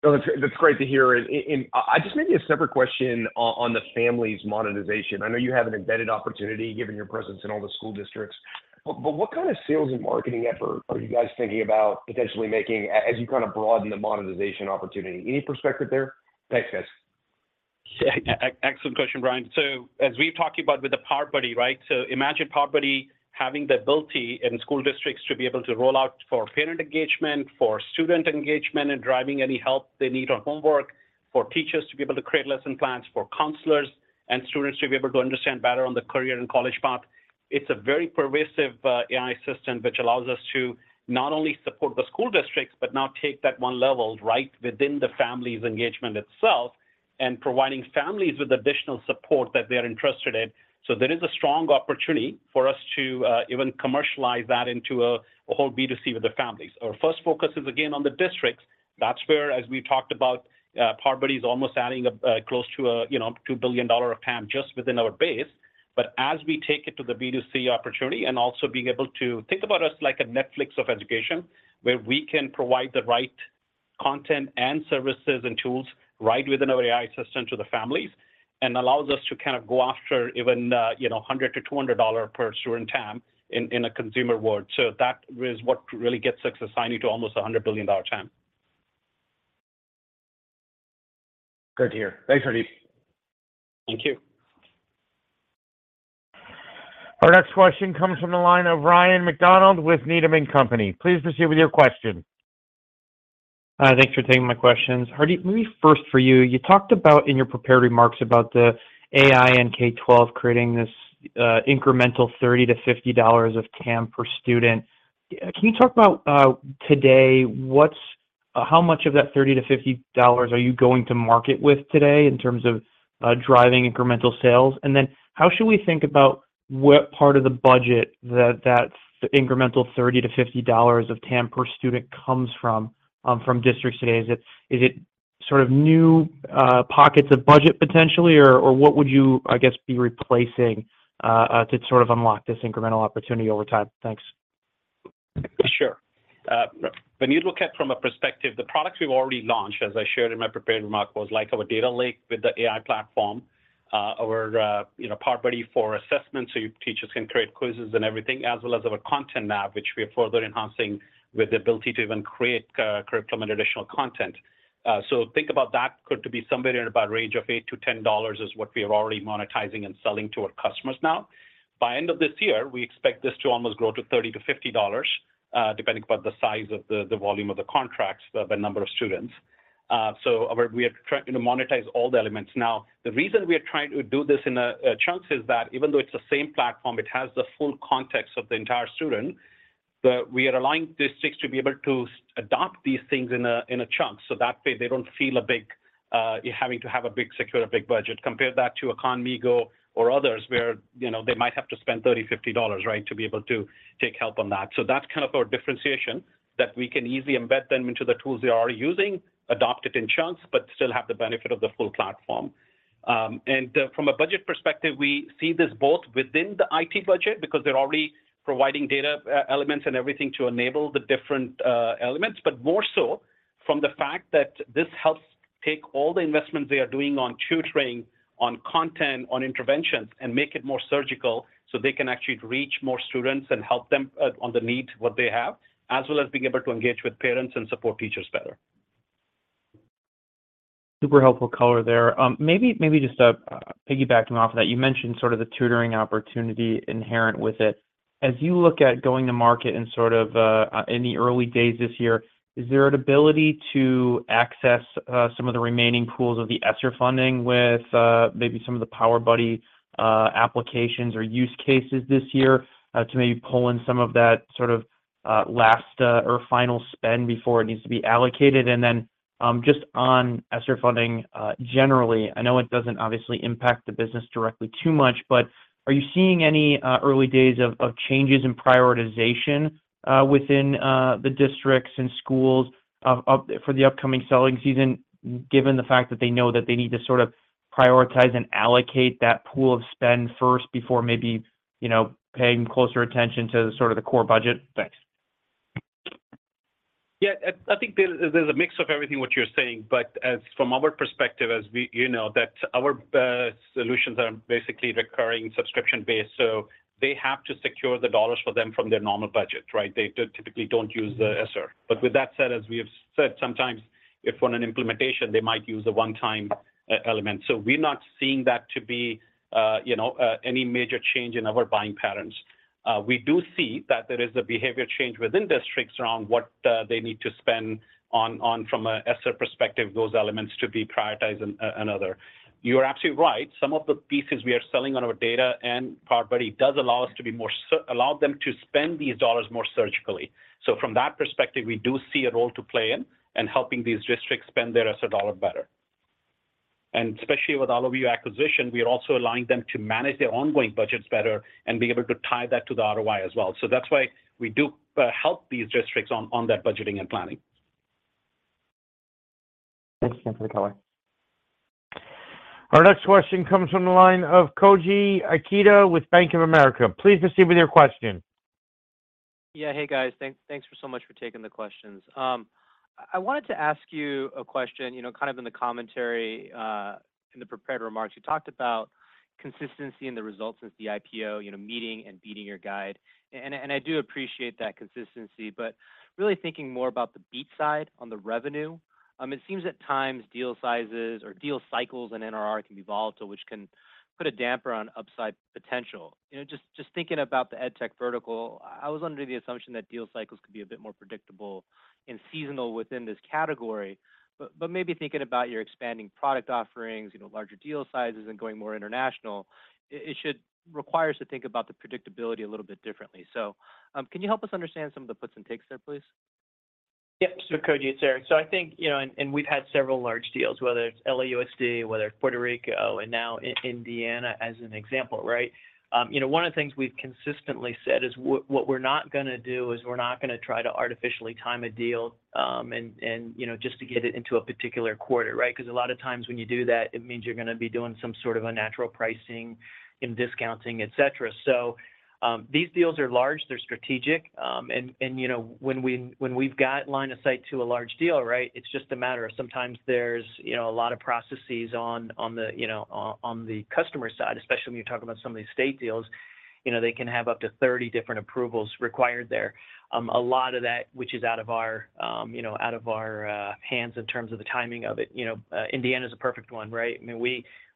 I: So that's great to hear. And I just maybe a separate question on the families monetization. I know you have an embedded opportunity, given your presence in all the school districts, but what kind of sales and marketing effort are you guys thinking about potentially making as you kinda broaden the monetization opportunity? Any perspective there? Thanks, guys.
C: Yeah, excellent question, Brian. So as we've talked about with the PowerBuddy, right? So imagine PowerBuddy having the ability in school districts to be able to roll out for parent engagement, for student engagement, and driving any help they need on homework, for teachers to be able to create lesson plans, for counselors and students to be able to understand better on the career and college path. It's a very pervasive AI system, which allows us to not only support the school districts, but now take that one level right within the families' engagement itself and providing families with additional support that they're interested in. So there is a strong opportunity for us to even commercialize that into a whole B2C with the families. Our first focus is, again, on the districts. That's where, as we talked about, PowerBuddy is almost adding, close to a, you know, $2 billion of TAM just within our base. But as we take it to the B2C opportunity, and also being able to think about us like a Netflix of education, where we can provide the right content and services and tools right within our AI system to the families, and allows us to kind of go after even, you know, $100-$200 per student TAM in, in a consumer world. So that is what really gets us assigning to almost a $100 billion TAM.
I: Good to hear. Thanks, Hardeep.
C: Thank you.
A: Our next question comes from the line of Ryan MacDonald with Needham and Company. Please proceed with your question.
J: Hi, thanks for taking my questions. Hardeep, maybe first for you, you talked about, in your prepared remarks, about the AI and K-12 creating this, incremental $30-$50 of TAM per student. Can you talk about, today, how much of that $30-$50 are you going to market with today in terms of, driving incremental sales? And then how should we think about what part of the budget that, that incremental $30-$50 of TAM per student comes from, from districts today? Is it sort of new, pockets of budget potentially, or, or what would you, I guess, be replacing, to sort of unlock this incremental opportunity over time? Thanks.
C: Sure. When you look at from a perspective, the products we've already launched, as I shared in my prepared remarks, was like our data lake with the AI platform, our, you know, PowerBuddy for Assessment, so teachers can create quizzes and everything, as well as our ContentNav, which we are further enhancing with the ability to even create, curriculum and additional content. So think about that could to be somewhere in about range of $8-$10 is what we are already monetizing and selling to our customers now. By end of this year, we expect this to almost grow to $30-$50, depending upon the size of the, the volume of the contracts, the, the number of students. So we are trying to monetize all the elements. Now, the reason we are trying to do this in chunks is that even though it's the same platform, it has the full context of the entire student, but we are allowing districts to be able to adopt these things in a chunk. So that way, they don't feel like having to secure a big budget. Compare that to a Khanmigo or others, where, you know, they might have to spend $30-$50, right? To be able to take help on that. So that's kind of our differentiation, that we can easily embed them into the tools they are using, adopt it in chunks, but still have the benefit of the full platform. From a budget perspective, we see this both within the IT budget, because they're already providing data elements and everything to enable the different elements, but more so from the fact that this helps take all the investments they are doing on tutoring, on content, on interventions, and make it more surgical so they can actually reach more students and help them on the needs, what they have, as well as being able to engage with parents and support teachers better.
J: Super helpful color there. Maybe, maybe just, piggybacking off of that, you mentioned sort of the tutoring opportunity inherent with it. As you look at going to market in sort of, in the early days this year, is there an ability to access, some of the remaining pools of the ESSER funding with, maybe some of the PowerBuddy, applications or use cases this year, to maybe pull in some of that sort of, last, or final spend before it needs to be allocated? And then, just on ESSER funding, generally, I know it doesn't obviously impact the business directly too much, but are you seeing any, early days of changes in prioritization, within the districts and schools for the upcoming selling season, given the fact that they know that they need to sort of prioritize and allocate that pool of spend first before maybe, you know, paying closer attention to sort of the core budget? Thanks.
C: Yeah, I think there's a mix of everything what you're saying. But as from our perspective, as we, you know, that our solutions are basically recurring subscription-based, so they have to secure the dollars for them from their normal budget, right? They typically don't use the ESSER. But with that said, as we have said, sometimes if on an implementation, they might use a one-time element. So we're not seeing that to be, you know, any major change in our buying patterns. We do see that there is a Behavior change within districts around what they need to spend on from a ESSER perspective, those elements to be prioritized and other. You are absolutely right. Some of the pieces we are selling on our data and PowerBuddy does allow us to be more so, allow them to spend these dollars more surgically. So from that perspective, we do see a role to play in helping these districts spend their ESSER dollar better. And especially with all of your acquisition, we are also allowing them to manage their ongoing budgets better and be able to tie that to the ROI as well. So that's why we do help these districts on that budgeting and planning.
D: Thanks again for the color.
A: Our next question comes from the line of Koji Ikeda with Bank of America. Please proceed with your question.
K: Yeah. Hey, guys. Thanks so much for taking the questions. I wanted to ask you a question. You know, kind of in the commentary in the prepared remarks, you talked about consistency in the results of the IPO, you know, meeting and beating your guide. And I do appreciate that consistency, but really thinking more about the beat side on the revenue. It seems at times deal sizes or deal cycles and NRR can be volatile, which can put a damper on upside potential. You know, just thinking about the EdTech vertical, I was under the assumption that deal cycles could be a bit more predictable and seasonal within this category. But maybe thinking about your expanding product offerings, you know, larger deal sizes and going more international, it should require us to think about the predictability a little bit differently. Can you help us understand some of the puts and takes there, please?
D: Yep. So, Koji, it's Eric. So I think, you know, and we've had several large deals, whether it's LAUSD, whether it's Puerto Rico, and now Indiana as an example, right? You know, one of the things we've consistently said is what we're not gonna do is we're not gonna try to artificially time a deal, and, you know, just to get it into a particular quarter, right? Because a lot of times when you do that, it means you're gonna be doing some sort of unnatural pricing and discounting, et cetera. So, these deals are large, they're strategic, and, you know, when we've got line of sight to a large deal, right, it's just a matter of sometimes there's, you know, a lot of processes on the customer side, especially when you're talking about some of these state deals. You know, they can have up to 30 different approvals required there. A lot of that, which is out of our hands in terms of the timing of it. You know, Indiana is a perfect one, right? I mean,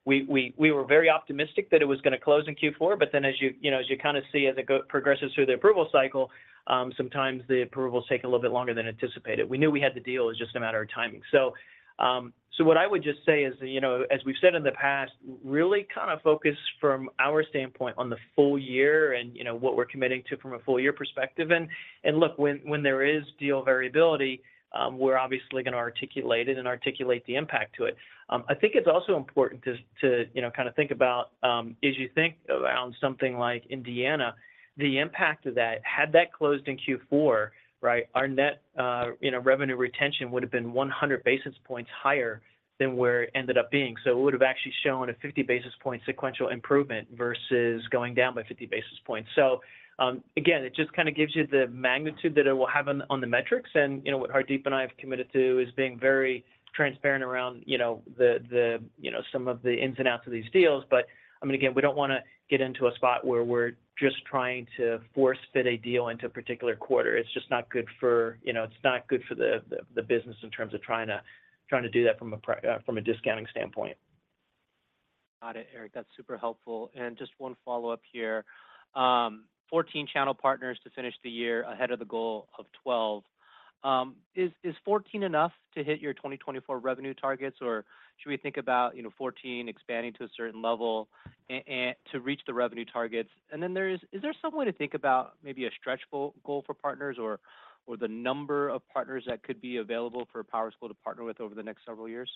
D: we were very optimistic that it was gonna close in Q4, but then as you know, as you kind of see, as it progresses through the approval cycle, sometimes the approvals take a little bit longer than anticipated. We knew we had the deal; it's just a matter of timing. So, what I would just say is, you know, as we've said in the past, really kind of focus from our standpoint on the full year and, you know, what we're committing to from a full year perspective. And, look, when there is deal variability, we're obviously gonna articulate it and articulate the impact to it. I think it's also important to you know, kind of think about, as you think around something like Indiana, the impact of that, had that closed in Q4, right, our net, you know, revenue retention would have been 100 basis points higher than where it ended up being. So it would have actually shown a 50 basis point sequential improvement versus going down by 50 basis points. So, again, it just kind of gives you the magnitude that it will have on the metrics. And, you know, what Hardeep and I have committed to is being very transparent around, you know, the you know, some of the ins and outs of these deals. But I mean, again, we don't wanna get into a spot where we're just trying to force fit a deal into a particular quarter. It's just not good for, you know, it's not good for the, the, the business in terms of trying to, trying to do that from a discounting standpoint.
K: Got it, Eric. That's super helpful. And just one follow-up here. Fourteen channel partners to finish the year ahead of the goal of 12. Is 14 enough to hit your 2024 revenue targets, or should we think about, you know, 14 expanding to a certain level and to reach the revenue targets? And then is there some way to think about maybe a stretch goal for partners or the number of partners that could be available for PowerSchool to partner with over the next several years?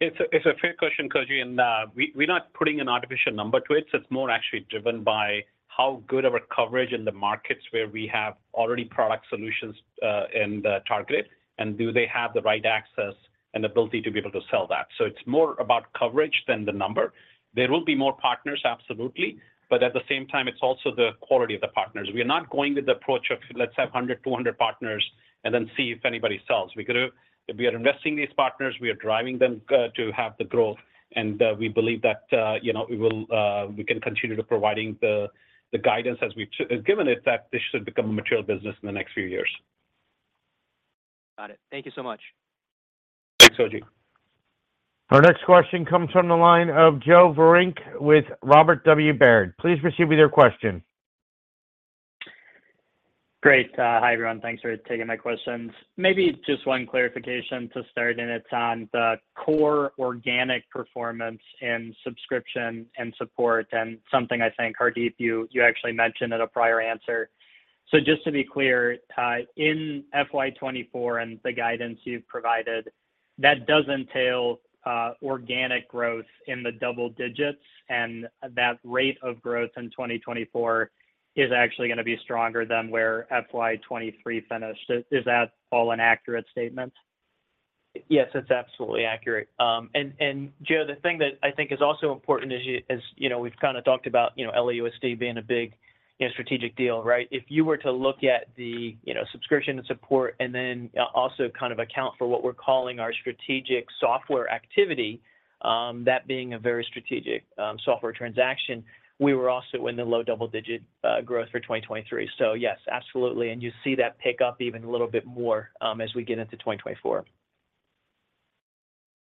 C: It's a fair question, Koji, and we, we're not putting an artificial number to it. So it's more actually driven by how good our coverage in the markets where we have already product solutions in the target, and do they have the right access and ability to be able to sell that? So it's more about coverage than the number. There will be more partners, absolutely, but at the same time, it's also the quality of the partners. We are not going with the approach of let's have 100, 200 partners and then see if anybody sells. We gotta--if we are investing these partners, we are driving them to have the growth, and we believe that, you know, we will, we can continue to providing the, the guidance as we've given it, that this should become a material business in the next few years.
K: Got it. Thank you so much.
C: Thanks, Koji.
A: Our next question comes from the line of Joe Vruwink with Robert W. Baird. Please proceed with your question.
L: Great. Hi, everyone. Thanks for taking my questions. Maybe just one clarification to start, and it's on the core organic performance in subscription and support, and something I think, Hardeep, you actually mentioned in a prior answer. So just to be clear, in FY 2024 and the guidance you've provided, that does entail, organic growth in the double digits, and that rate of growth in 2024 is actually gonna be stronger than where FY 2023 finished. Is that all an accurate statement?
C: Yes, that's absolutely accurate. And, Joe, the thing that I think is also important is, as you know, we've kinda talked about, you know, LAUSD being a big, you know, strategic deal, right? If you were to look at the, you know, subscription and support, and then also kind of account for what we're calling our strategic software activity, that being a very strategic, software transaction, we were also in the low double-digit growth for 2023. So yes, absolutely, and you see that pick up even a little bit more, as we get into 2024.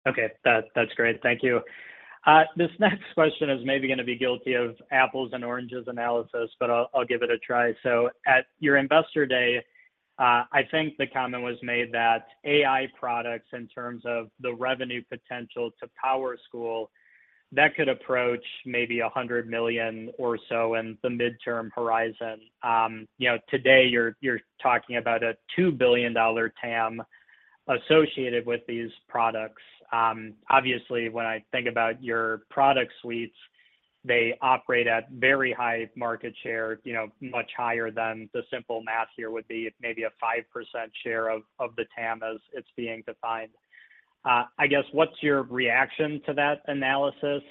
L: Okay, that's great. Thank you. This next question is maybe gonna be guilty of apples and oranges analysis, but I'll give it a try. So at your Investor Day, I think the comment was made that AI products, in terms of the revenue potential to PowerSchool, that could approach maybe $100 million or so in the midterm horizon. You know, today you're talking about a $2 billion TAM associated with these products. Obviously, when I think about your product suites, they operate at very high market share, you know, much higher than the simple math here would be at maybe a 5% share of the TAM as it's being defined. I guess, what's your reaction to that analysis?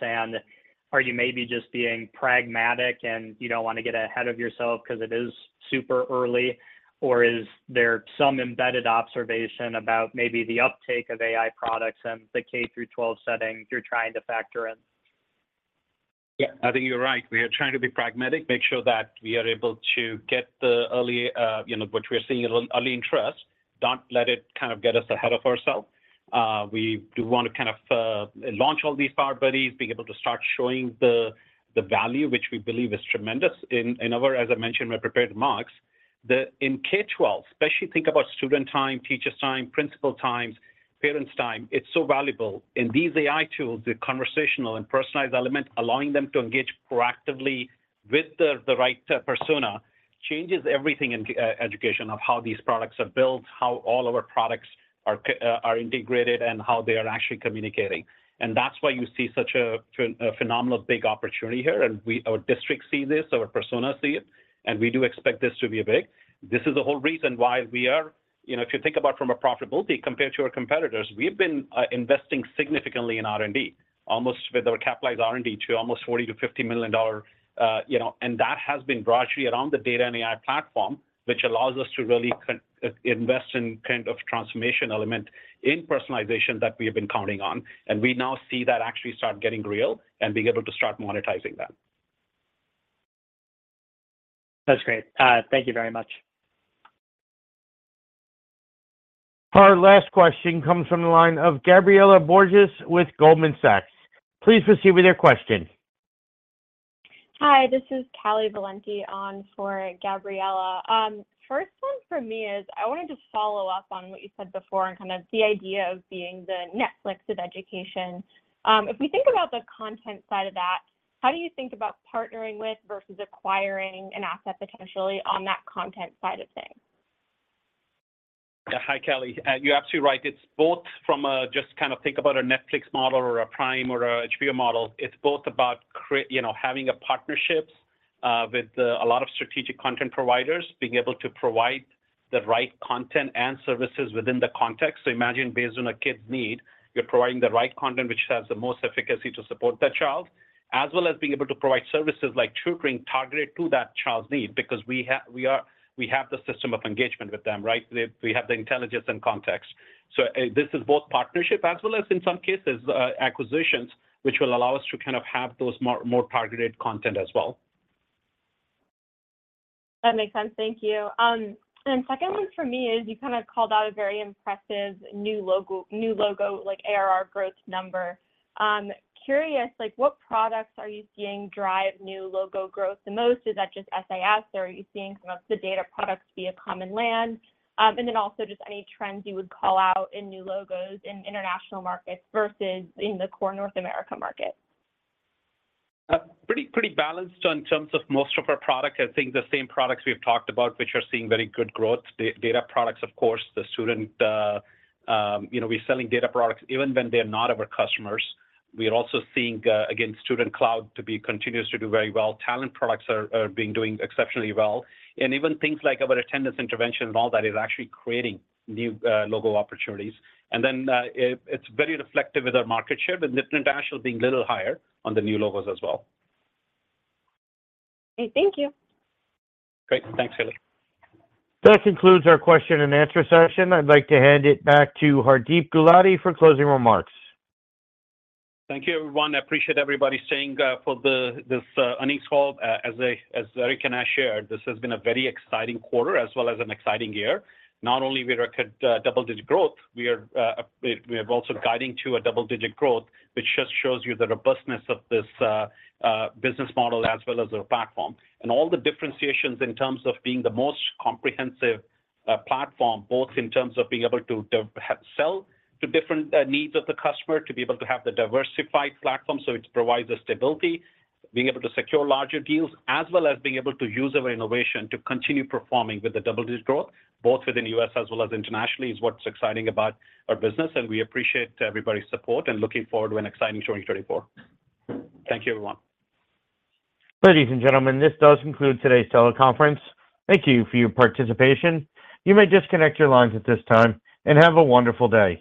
L: Are you maybe just being pragmatic, and you don't wanna get ahead of yourself 'cause it is super early, or is there some embedded observation about maybe the uptake of AI products in the K through 12 setting you're trying to factor in?
C: Yeah, I think you're right. We are trying to be pragmatic, make sure that we are able to get the early, you know, what we are seeing, early interest. Don't let it kind of get us ahead of ourself. We do want to kind of launch all these PowerBuddies, being able to start showing the value, which we believe is tremendous. In our, as I mentioned in my prepared remarks, the in K-12, especially think about student time, teachers' time, principal times, parents' time, it's so valuable. And these AI tools, the conversational and personalized element, allowing them to engage proactively with the right persona, changes everything in education, of how these products are built, how all our products are integrated, and how they are actually communicating. That's why you see such a phenomenal, big opportunity here, and our districts see this, our personas see it, and we do expect this to be big. This is the whole reason why we are-- you know, if you think about from a profitability compared to our competitors, we've been investing significantly in R&D, almost with our capitalized R&D to almost $40 million-$50 million, you know, and that has been broadly around the data and AI platform, which allows us to really invest in kind of transformation element in personalization that we have been counting on, and we now see that actually start getting real and being able to start monetizing that.
L: That's great. Thank you very much.
A: Our last question comes from the line of Callie Valenti with Goldman Sachs. Please proceed with your question.
M: Hi, this is Callie Valenti on for Gabriela. First one for me is, I wanted to follow up on what you said before and kind of the idea of being the Netflix of education. If we think about the content side of that, how do you think about partnering with versus acquiring an asset potentially on that content side of things?
C: Yeah. Hi, Callie. You're absolutely right. It's both from a, just kind of think about a Netflix model or a Prime or a HBO model. It's both about, you know, having a partnerships with a lot of strategic content providers, being able to provide the right content and services within the context. So imagine, based on a kid's need, you're providing the right content, which has the most efficacy to support that child, as well as being able to provide services like tutoring targeted to that child's need. Because we have the system of engagement with them, right? We have the intelligence and context. So this is both partnership as well as, in some cases, acquisitions, which will allow us to kind of have those more targeted content as well.
M: That makes sense. Thank you. And second one for me is, you kinda called out a very impressive new logo, new logo, like, ARR growth number. Curious, like, what products are you seeing drive new logo growth the most? Is that just SaaS, or are you seeing some of the data products via Connected Intelligence? And then also just any trends you would call out in new logos in international markets versus in the core North America market.
C: Pretty, pretty balanced in terms of most of our product. I think the same products we've talked about, which are seeing very good growth. Data products, of course, the student, you know, we're selling data products even when they're not our customers. We are also seeing, again, Student Cloud continues to do very well. Talent products are doing exceptionally well. And even things like our Attendance Intervention and all that is actually creating new logo opportunities. And then, it's very reflective of our market share, with international being a little higher on the new logos as well.
M: Okay. Thank you.
C: Great. Thanks, Callie.
A: That concludes our question and answer session. I'd like to hand it back to Hardeep Gulati for closing remarks.
C: Thank you, everyone. I appreciate everybody staying for this earnings call. As Eric and I shared, this has been a very exciting quarter as well as an exciting year. Not only we recorded double-digit growth, we are also guiding to a double-digit growth, which just shows you the robustness of this business model as well as our platform. All the differentiations in terms of being the most comprehensive platform, both in terms of being able to sell to different needs of the customer, to be able to have the diversified platform, so it provides the stability, being able to secure larger deals, as well as being able to use our innovation to continue performing with the double-digit growth, both within U.S. as well as internationally, is what's exciting about our business, and we appreciate everybody's support and looking forward to an exciting 2024. Thank you, everyone.
A: Ladies and gentlemen, this does conclude today's teleconference. Thank you for your participation. You may disconnect your lines at this time, and have a wonderful day.